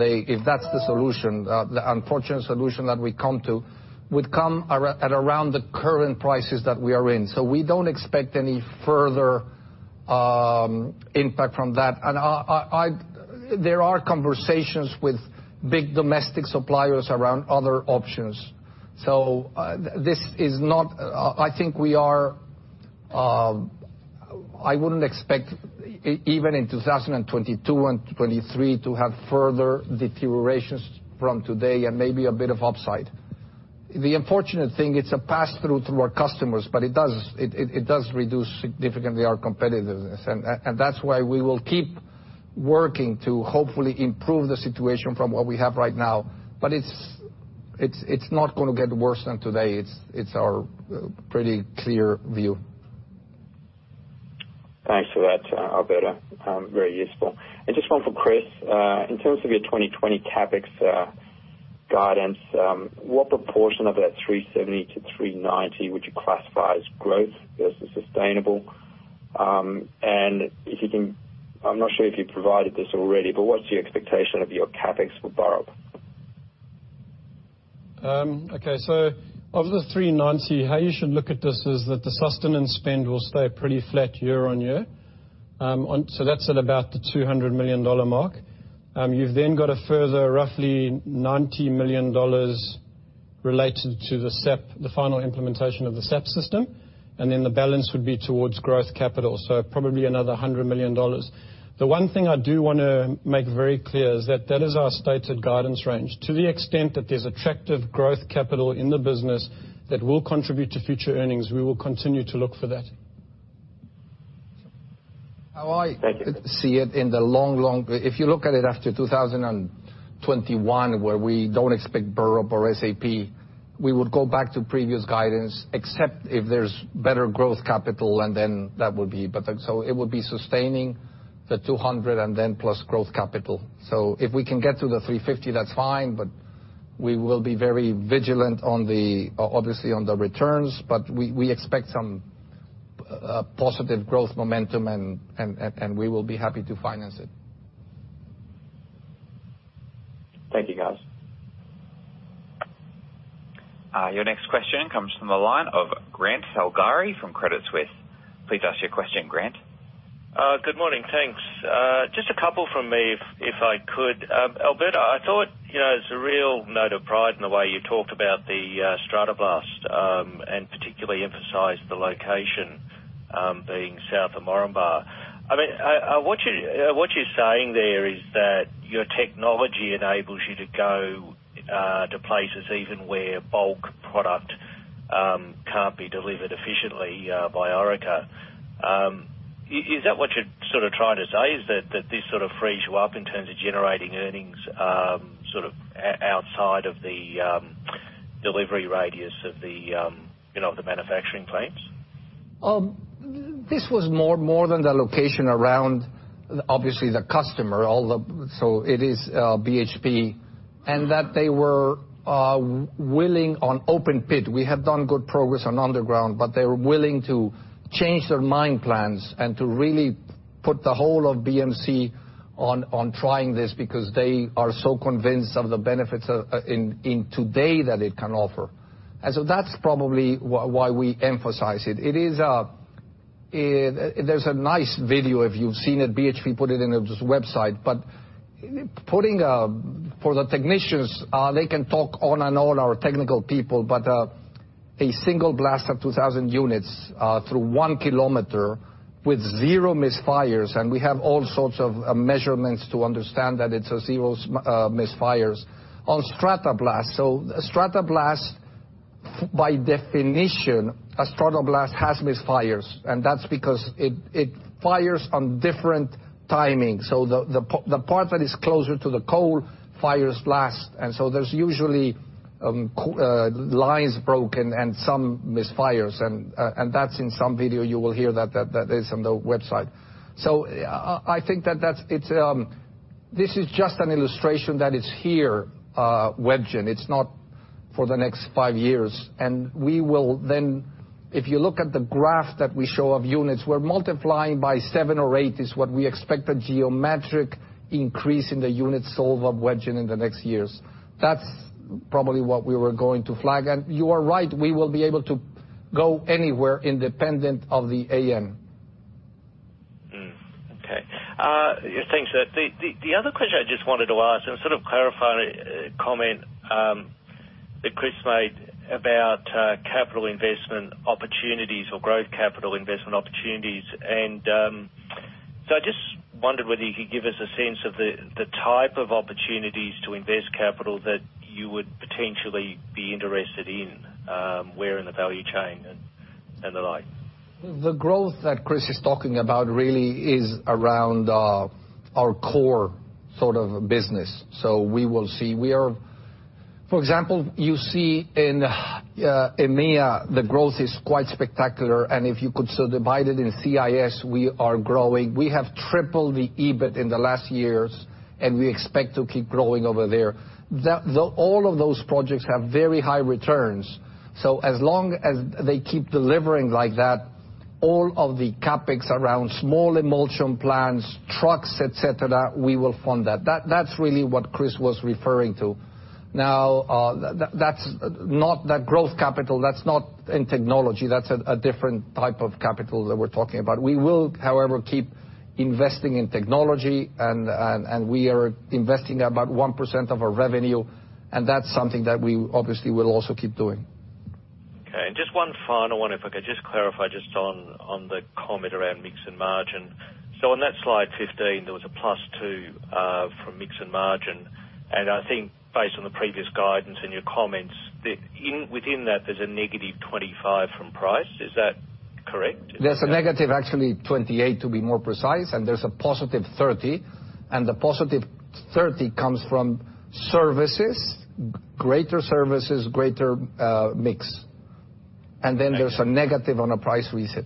that's the solution, the unfortunate solution that we come to, would come at around the current prices that we are in. We don't expect any further impact from that. There are conversations with big domestic suppliers around other options. I think I wouldn't expect, even in 2022 and 2023 to have further deteriorations from today and maybe a bit of upside. The unfortunate thing, it's a pass-through to our customers, but it does reduce significantly our competitiveness. That's why we will keep working to hopefully improve the situation from what we have right now. It's not going to get worse than today. It's our pretty clear view. Thanks for that, Alberto. Very useful. Just one for Chris. In terms of your 2020 CapEx guidance, what proportion of that 370-390 would you classify as growth versus sustainable? I'm not sure if you provided this already, but what's your expectation of your CapEx for Burrup? Okay. Of the 390, how you should look at this is that the sustaining spend will stay pretty flat year on year. That's at about the 200 million dollar mark. You've then got a further roughly 90 million dollars related to the final implementation of the SAP system, the balance would be towards growth capital. Probably another 100 million dollars. The one thing I do want to make very clear is that that is our stated guidance range. To the extent that there's attractive growth capital in the business that will contribute to future earnings, we will continue to look for that. Thank you. How I see it in the long, if you look at it after 2021, where we don't expect Burrup or SAP, we would go back to previous guidance, except if there's better growth capital, that would be. It would be sustaining the 200 plus growth capital. If we can get to the 350, that's fine, but we will be very vigilant, obviously, on the returns, but we expect some positive growth momentum, and we will be happy to finance it. Thank you, guys. Your next question comes from the line of Grant Saligari from Credit Suisse. Please ask your question, Grant. Good morning. Thanks. Just a couple from me, if I could. Alberto, I thought it's a real note of pride in the way you talked about the stratablast, and particularly emphasized the location being south of Moranbah. What you're saying there is that your technology enables you to go to places even where bulk product can't be delivered efficiently by Orica. Is that what you're sort of trying to say, is that this sort of frees you up in terms of generating earnings, sort of outside of the delivery radius of the manufacturing plants? This was more than the location around, obviously, the customer, so it is BHP, and they were willing on open pit. We have done good progress on underground, but they were willing to change their mine plans and to really put the whole of BMA on trying this because they are so convinced of the benefits in today that it can offer. There is a nice video, if you have seen it, BHP put it in its website. For the technicians, they can talk on and on, our technical people, but a single blast of 2,000 units through one kilometer with zero misfires, and we have all sorts of measurements to understand that it is a zero misfires on stratablast. Stratablast, by definition, a stratablast has misfires, and that is because it fires on different timing. The part that is closer to the coal fires last. There is usually lines broken and some misfires, and that is in some video you will hear that is on the website. I think that this is just an illustration that it is here, WebGen. It is not for the next five years. We will then, if you look at the graph that we show of units, we are multiplying by seven or eight is what we expect a geometric increase in the unit sales of WebGen in the next years. That is probably what we were going to flag. You are right, we will be able to go anywhere independent of the AN. Okay. Thanks. The other question I just wanted to ask and sort of clarify a comment that Chris made about capital investment opportunities or growth capital investment opportunities. I just wondered whether you could give us a sense of the type of opportunities to invest capital that you would potentially be interested in, where in the value chain and the like. The growth that Chris is talking about really is around our core business. We will see. For example, you see in EMEA, the growth is quite spectacular. If you could so divide it in CIS, we are growing. We have tripled the EBIT in the last years, and we expect to keep growing over there. All of those projects have very high returns. As long as they keep delivering like that, all of the CapEx around small emulsion plants, trucks, et cetera, we will fund that. That is really what Chris was referring to. That growth capital, that is not in technology. That is a different type of capital that we are talking about. We will, however, keep investing in technology, and we are investing about 1% of our revenue, and that is something that we obviously will also keep doing. Just one final one, if I could just clarify just on the comment around mix and margin. On that slide 15, there was a plus two from mix and margin. I think based on the previous guidance and your comments, within that, there's a negative 25 from price. Is that correct? There's a negative actually 28, to be more precise, and there's a positive 30. The positive 30 comes from services, greater services, greater mix. Okay. There's a negative on a price reset.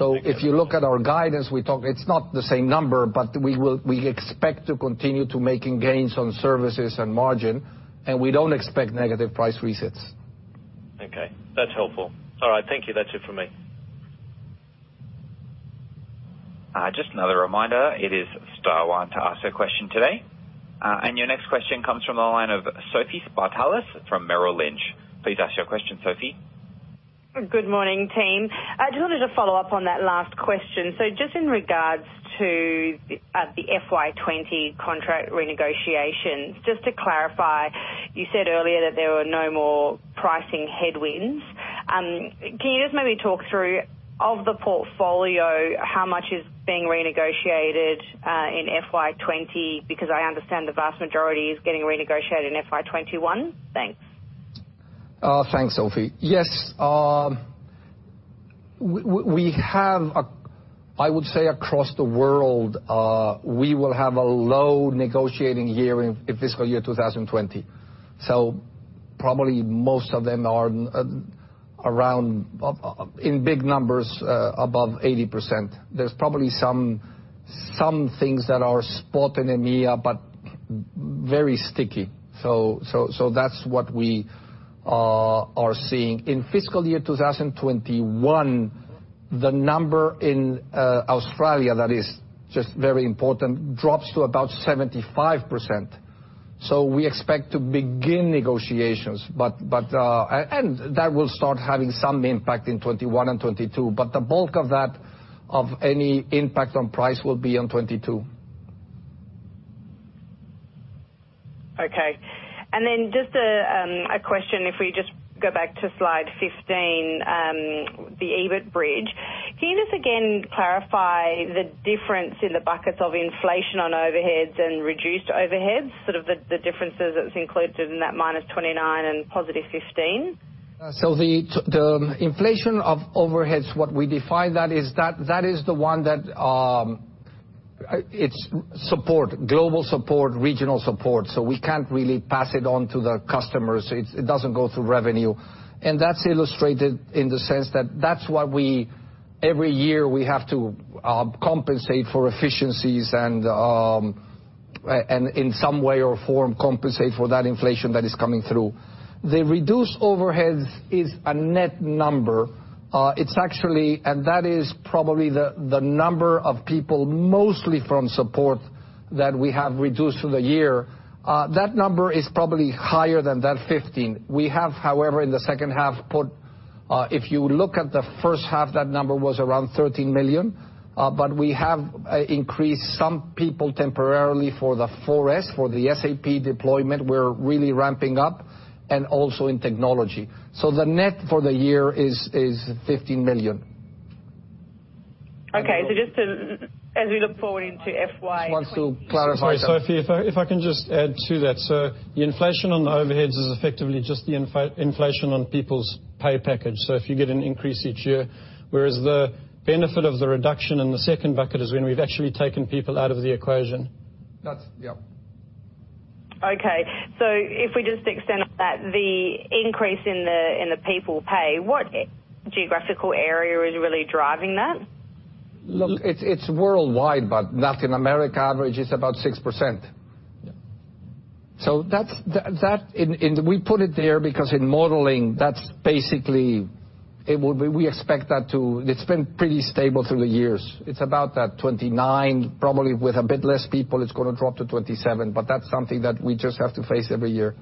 Negative. If you look at our guidance, it's not the same number, but we expect to continue to making gains on services and margin, and we don't expect negative price resets. Okay. That's helpful. All right. Thank you. That's it for me. Just another reminder, it is star one to ask your question today. Your next question comes from the line of Sophie Spartalis from Merrill Lynch. Please ask your question, Sophie. Good morning, team. I just wanted to follow up on that last question. Just in regards to the FY 2020 contract renegotiations, just to clarify, you said earlier that there were no more pricing headwinds. Can you just maybe talk through, of the portfolio, how much is being renegotiated in FY 2020? Because I understand the vast majority is getting renegotiated in FY 2021. Thanks. Thanks, Sophie. Yes, I would say across the world, we will have a low negotiating year in fiscal year 2020. Probably most of them are in big numbers above 80%. There's probably some things that are spot in EMEA, but very sticky. That's what we are seeing. In fiscal year 2021, the number in Australia, that is just very important, drops to about 75%. We expect to begin negotiations. That will start having some impact in 2021 and 2022, but the bulk of any impact on price will be on 2022. Okay. Just a question, if we just go back to slide 15, the EBIT bridge. Can you just again clarify the difference in the buckets of inflation on overheads and reduced overheads, sort of the differences that's included in that -29 and +15? The inflation of overheads, what we define that is that is the one that it's support, global support, regional support. We can't really pass it on to the customers. It doesn't go through revenue. That's illustrated in the sense that that's why every year we have to compensate for efficiencies and in some way or form compensate for that inflation that is coming through. The reduced overheads is a net number. That is probably the number of people, mostly from support, that we have reduced through the year. That number is probably higher than that 15. We have, however, in the second half. If you look at the first half, that number was around 13 million. We have increased some people temporarily for the 4S, for the SAP deployment, we're really ramping up, and also in technology. The net for the year is 15 million. Okay. Just as we look forward into FY- Just wants to clarify that. Sorry, Sophie, if I can just add to that. The inflation on the overheads is effectively just the inflation on people's pay package. If you get an increase each year, whereas the benefit of the reduction in the second bucket is when we've actually taken people out of the equation. That's, yep. Okay. If we just extend on that, the increase in the people pay, what geographical area is really driving that? Look, it's worldwide, North America average is about 6%. Yeah. We put it there because in modeling, that's basically, it's been pretty stable through the years. It's about that 29, probably with a bit less people, it's going to drop to 27, that's something that we just have to face every year.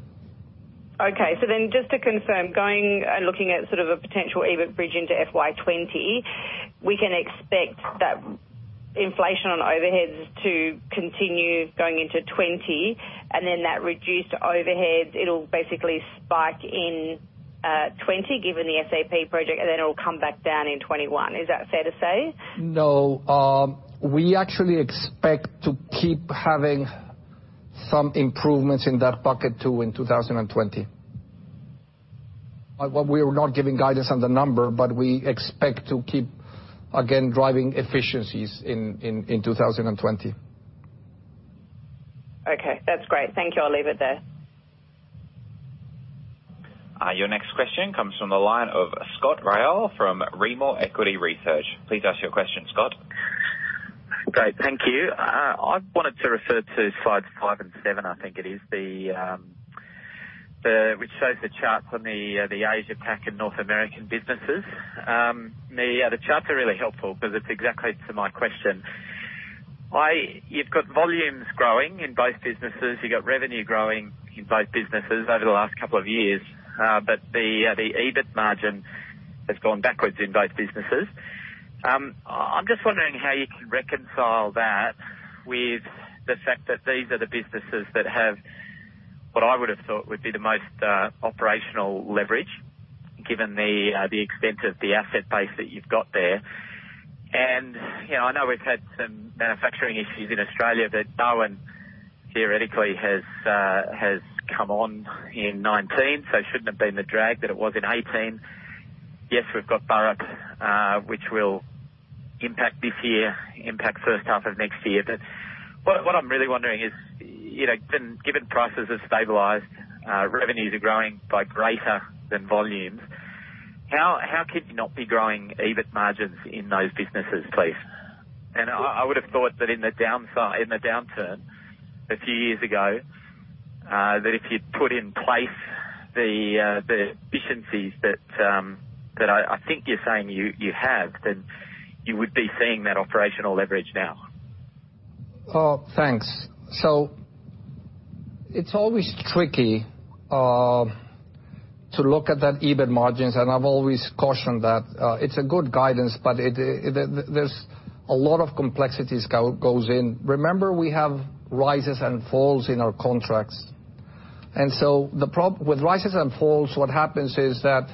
Okay. Just to confirm, going and looking at sort of a potential EBIT bridge into FY 2020, we can expect that inflation on overheads to continue going into 2020, that reduced overhead, it'll basically spike in 2020, given the SAP project, it'll come back down in 2021. Is that fair to say? No. We actually expect to keep having some improvements in that bucket too, in 2020. We are not giving guidance on the number, we expect to keep, again, driving efficiencies in 2020. Okay. That's great. Thank you. I'll leave it there. Your next question comes from the line of Scott Ryall from Rimor Equity Research. Please ask your question, Scott. Great. Thank you. I wanted to refer to slides five and seven, I think it is, which shows the charts on the Asia Pac and North American businesses. The charts are really helpful because it's exactly to my question. You've got volumes growing in both businesses. You've got revenue growing in both businesses over the last couple of years. The EBIT margin has gone backwards in both businesses. I'm just wondering how you can reconcile that with the fact that these are the businesses that have what I would have thought would be the most operational leverage, given the extent of the asset base that you've got there. I know we've had some manufacturing issues in Australia that Bontang theoretically has come on in 2019, so it shouldn't have been the drag that it was in 2018. Yes, we've got Burrup, which will impact this year, impact first half of next year. What I'm really wondering is, given prices have stabilized, revenues are growing by greater than volumes, how could you not be growing EBIT margins in those businesses, please? I would have thought that in the downturn a few years ago, that if you'd put in place the efficiencies that I think you're saying you have, then you would be seeing that operational leverage now. Thanks. It's always tricky to look at that EBIT margins, I've always cautioned that it's a good guidance, but there's a lot of complexities goes in. Remember, we have rises and falls in our contracts. With rises and falls, what happens is that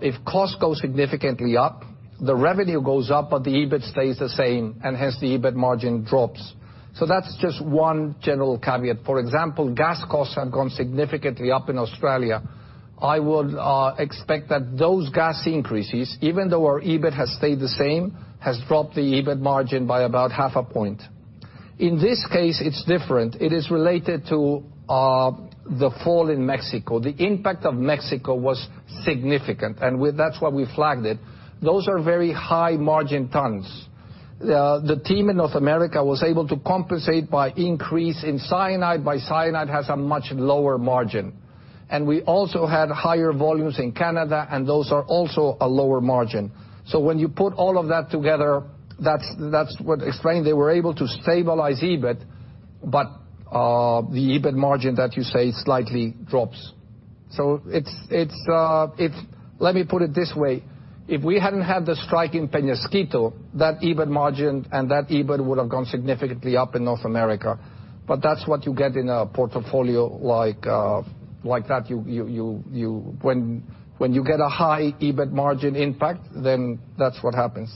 if costs go significantly up, the revenue goes up, but the EBIT stays the same, and hence the EBIT margin drops. That's just one general caveat. For example, gas costs have gone significantly up in Australia. I would expect that those gas increases, even though our EBIT has stayed the same, has dropped the EBIT margin by about half a point. In this case, it's different. It is related to the fall in Mexico. The impact of Mexico was significant, and that's why we flagged it. Those are very high-margin tons. The team in North America was able to compensate by increase in cyanide, but cyanide has a much lower margin. We also had higher volumes in Canada, and those are also a lower margin. When you put all of that together, that's what explained they were able to stabilize EBIT, but the EBIT margin that you say slightly drops. Let me put it this way. If we hadn't had the strike in Peñasquito, that EBIT margin and that EBIT would have gone significantly up in North America. That's what you get in a portfolio like that. When you get a high EBIT margin impact, then that's what happens.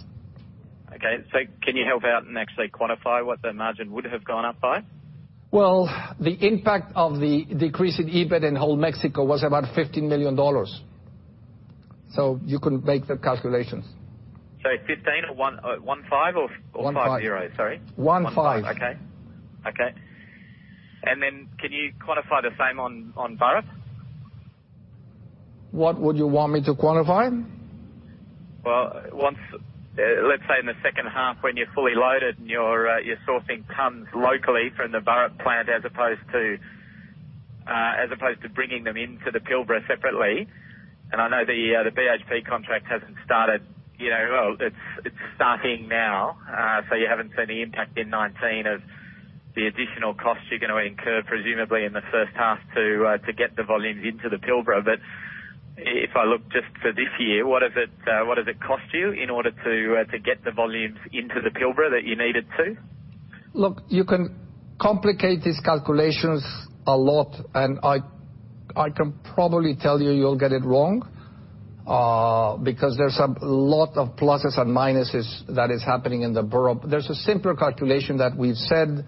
Okay. Can you help out and actually quantify what that margin would have gone up by? Well, the impact of the decrease in EBIT in whole Mexico was about 15 million dollars. You can make the calculations. Say, 15? One-five, or five-zero? Sorry. One-five. Okay. Can you quantify the same on Burrup? What would you want me to quantify? Well, let's say in the second half when you're fully loaded and you're sourcing tons locally from the Burrup plant as opposed to bringing them into the Pilbara separately, and I know the BHP contract hasn't started. Well, it's starting now, so you haven't seen the impact in 2019 of the additional costs you're going to incur, presumably in the first half to get the volumes into the Pilbara. If I look just for this year, what does it cost you in order to get the volumes into the Pilbara that you needed to? You can complicate these calculations a lot, I can probably tell you you'll get it wrong, There's a lot of pluses and minuses that is happening in the Burrup. There's a simpler calculation that we've said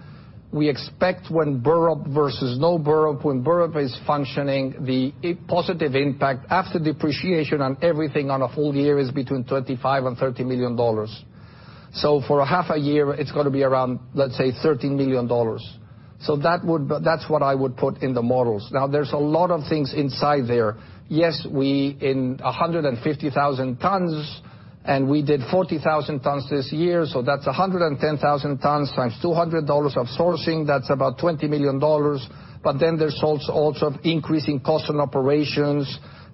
we expect when Burrup versus no Burrup, when Burrup is functioning, the positive impact after depreciation on everything on a full year is between 25 million-30 million dollars. For a half a year, it's got to be around, let's say, 13 million dollars. That's what I would put in the models. There's a lot of things inside there. In 150,000 tons, We did 40,000 tons this year, That's 110,000 tons times 200 dollars of sourcing. That's about 20 million dollars. There's also increasing cost and operations.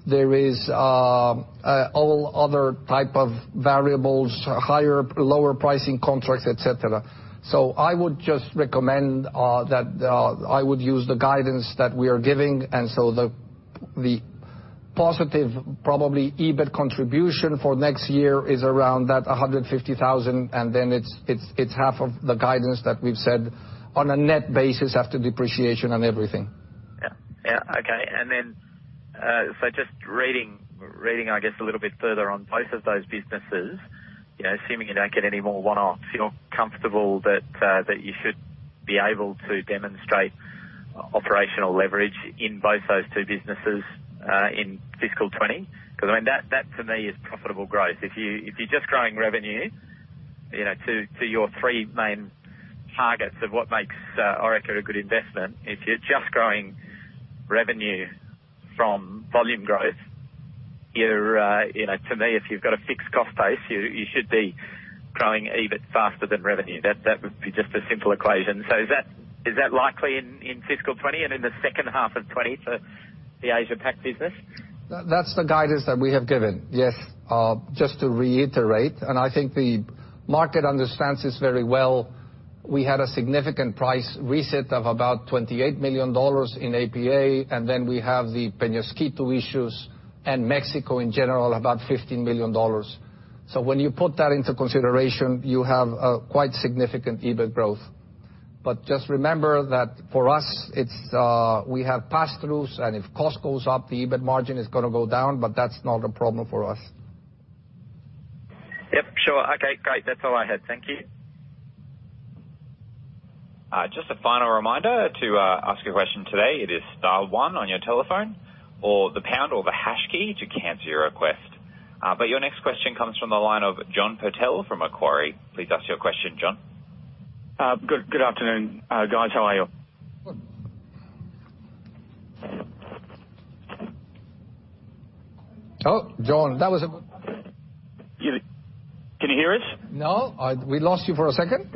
There is all other type of variables, higher, lower pricing contracts, et cetera. I would just recommend that I would use the guidance that we are giving, The positive, probably, EBIT contribution for next year is around that 150,000, It's half of the guidance that we've said on a net basis after depreciation and everything. Just reading, I guess, a little bit further on both of those businesses, assuming you don't get any more one-offs, you're comfortable that you should be able to demonstrate operational leverage in both those two businesses in fiscal 2020? That, to me, is profitable growth. If you're just growing revenue to your three main targets of what makes Orica a good investment, if you're just growing revenue from volume growth, to me, if you've got a fixed cost base, you should be growing EBIT faster than revenue. That would be just a simple equation. Is that likely in fiscal 2020 and in the second half of 2020 for the Asia Pac business? That's the guidance that we have given. Just to reiterate, I think the market understands this very well, we had a significant price reset of about 28 million dollars in APA, We have the Peñasquito issues and Mexico in general, about 15 million dollars. When you put that into consideration, you have a quite significant EBIT growth. Just remember that for us, we have passthroughs, If cost goes up, the EBIT margin is going to go down, That's not a problem for us. Yep, sure. Okay, great. That's all I had. Thank you. Just a final reminder to ask a question today. It is star one on your telephone or the pound or the hash key to cancel your request. Your next question comes from the line of John Purtell from Macquarie. Please ask your question, John. Good afternoon, guys. How are you? Good. Oh, John, that was a Can you hear us? No. We lost you for a second.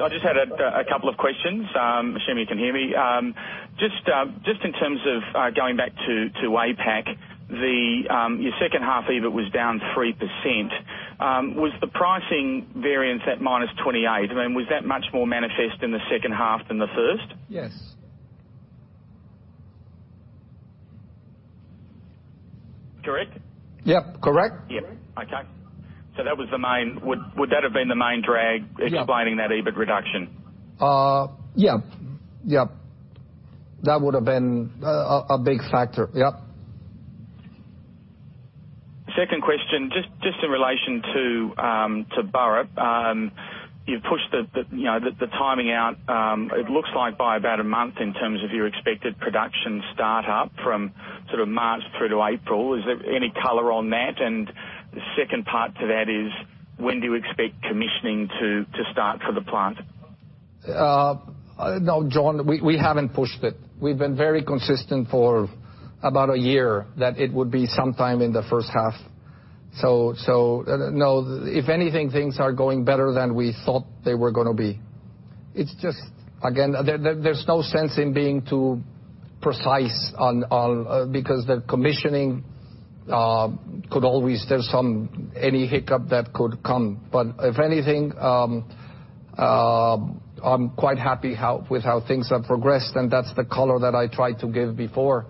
I just had a couple of questions. Assume you can hear me. In terms of going back to APAC, your second half EBIT was down 3%. Was the pricing variance at -28%? Was that much more manifest in the second half than the first? Yes. Correct? Yep, correct. Yep. Okay. Would that have been the main drag- Yeah explaining that EBIT reduction? Yeah. That would've been a big factor. Yep. Second question, just in relation to Burrup. You've pushed the timing out, it looks like by about a month in terms of your expected production startup from March through to April. Is there any color on that? The second part to that is, when do you expect commissioning to start for the plant? No, John, we haven't pushed it. We've been very consistent for about a year that it would be sometime in the first half. No. If anything, things are going better than we thought they were going to be. Again, there's no sense in being too precise, because There's any hiccup that could come. If anything, I'm quite happy with how things have progressed, and that's the color that I tried to give before.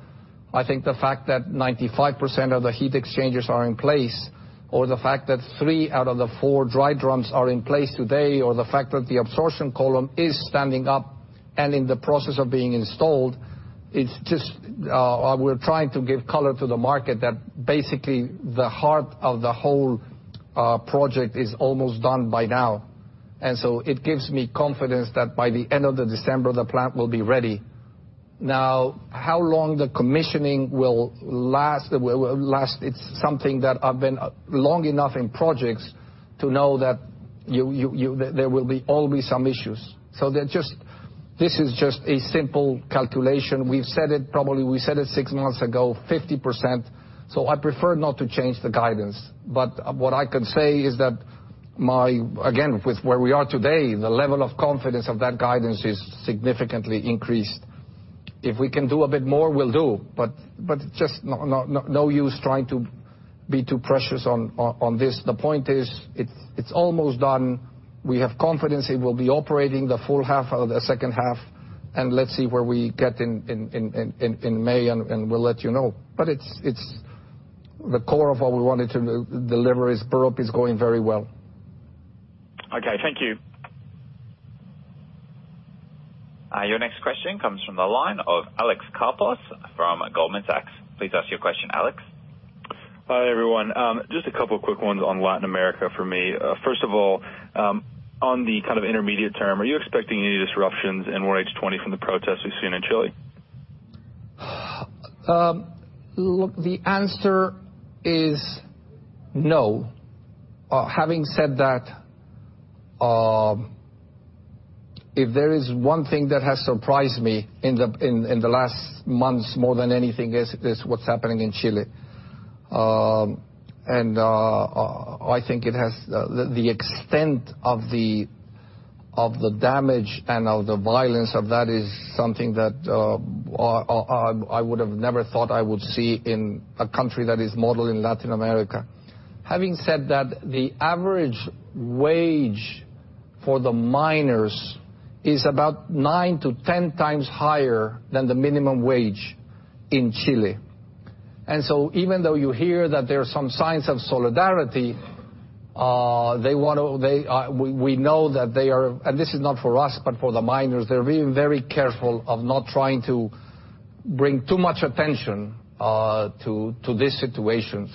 I think the fact that 95% of the heat exchangers are in place, or the fact that three out of the four dry drums are in place today, or the fact that the absorption column is standing up and in the process of being installed, we're trying to give color to the market that basically the heart of the whole project is almost done by now. It gives me confidence that by the end of the December, the plant will be ready. Now, how long the commissioning will last, it's something that I've been long enough in projects to know that there will be always some issues. This is just a simple calculation. We said it six months ago, 50%. I prefer not to change the guidance. What I can say is that, again, with where we are today, the level of confidence of that guidance is significantly increased. If we can do a bit more, we'll do, but just no use trying to be too precious on this. The point is, it's almost done. We have confidence it will be operating the full half of the second half, and let's see where we get in May, and we'll let you know. The core of what we wanted to deliver is Burrup is going very well. Okay. Thank you. Your next question comes from the line of Alex Karpos from Goldman Sachs. Please ask your question, Alex. Hi, everyone. Just a couple quick ones on Latin America for me. First of all, on the intermediate term, are you expecting any disruptions in 1H 2020 from the protests we've seen in Chile? Look, the answer is no. Having said that, if there is one thing that has surprised me in the last months more than anything, is what's happening in Chile. I think the extent of the damage and of the violence of that is something that I would have never thought I would see in a country that is modeled in Latin America. Having said that, the average wage for the miners is about nine to 10 times higher than the minimum wage in Chile. Even though you hear that there are some signs of solidarity, we know that they are, and this is not for us, but for the miners, they're being very careful of not trying to bring too much attention to this situation.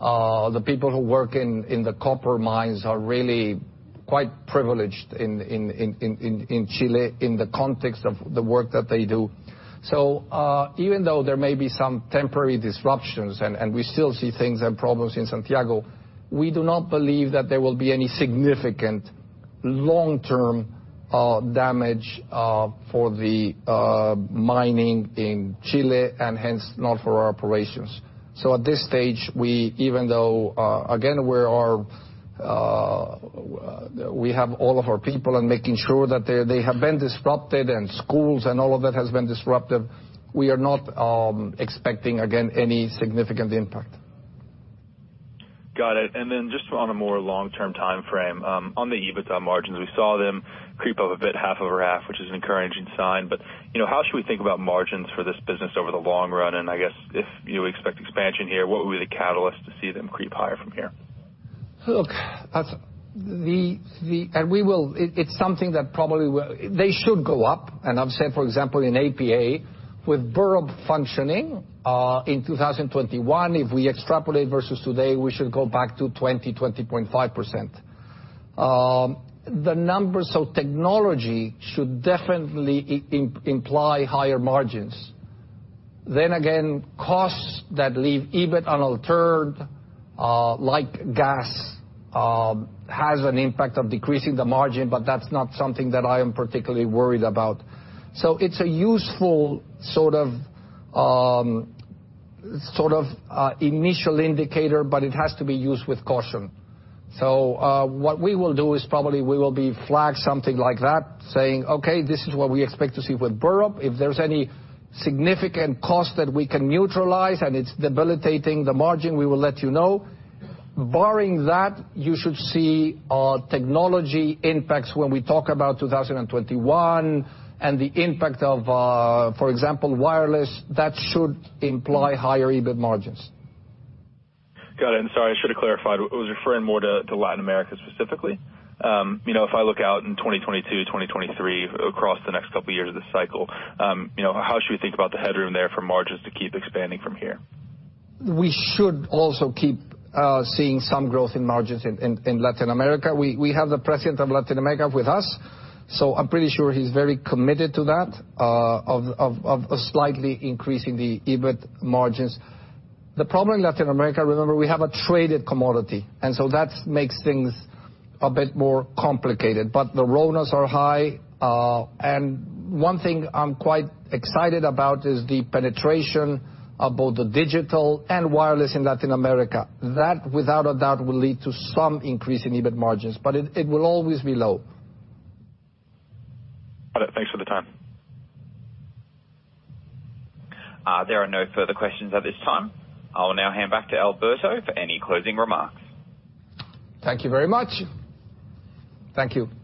The people who work in the copper mines are really quite privileged in Chile in the context of the work that they do. Even though there may be some temporary disruptions, and we still see things and problems in Santiago, we do not believe that there will be any significant long-term damage for the mining in Chile and hence not for our operations. At this stage, even though, again, we have all of our people and making sure that they have been disrupted and schools and all of that has been disrupted, we are not expecting, again, any significant impact. Got it. Just on a more long-term timeframe, on the EBITDA margins, we saw them creep up a bit, half over half, which is an encouraging sign. How should we think about margins for this business over the long run? I guess if you expect expansion here, what would be the catalyst to see them creep higher from here? Look, it's something that probably they should go up. I would say, for example, in APA, with Burrup functioning, in 2021, if we extrapolate versus today, we should go back to 20.5%. The numbers of technology should definitely imply higher margins. Costs that leave EBIT unaltered, like gas, has an impact of decreasing the margin, but that's not something that I am particularly worried about. It's a useful sort of initial indicator, but it has to be used with caution. What we will do is probably we will be flag something like that saying, "Okay, this is what we expect to see with Burrup." If there's any significant cost that we can neutralize and it's debilitating the margin, we will let you know. Barring that, you should see technology impacts when we talk about 2021 and the impact of, for example, wireless, that should imply higher EBIT margins. Got it. Sorry, I should have clarified. I was referring more to Latin America specifically. If I look out in 2022, 2023, across the next couple of years of this cycle, how should we think about the headroom there for margins to keep expanding from here? We should also keep seeing some growth in margins in Latin America. We have the president of Latin America with us, so I'm pretty sure he's very committed to that, of slightly increasing the EBIT margins. The problem in Latin America, remember, we have a traded commodity. That makes things a bit more complicated. The RONA are high. One thing I'm quite excited about is the penetration of both the digital and wireless in Latin America. That, without a doubt, will lead to some increase in EBIT margins, but it will always be low. Got it. Thanks for the time. There are no further questions at this time. I will now hand back to Alberto for any closing remarks. Thank you very much. Thank you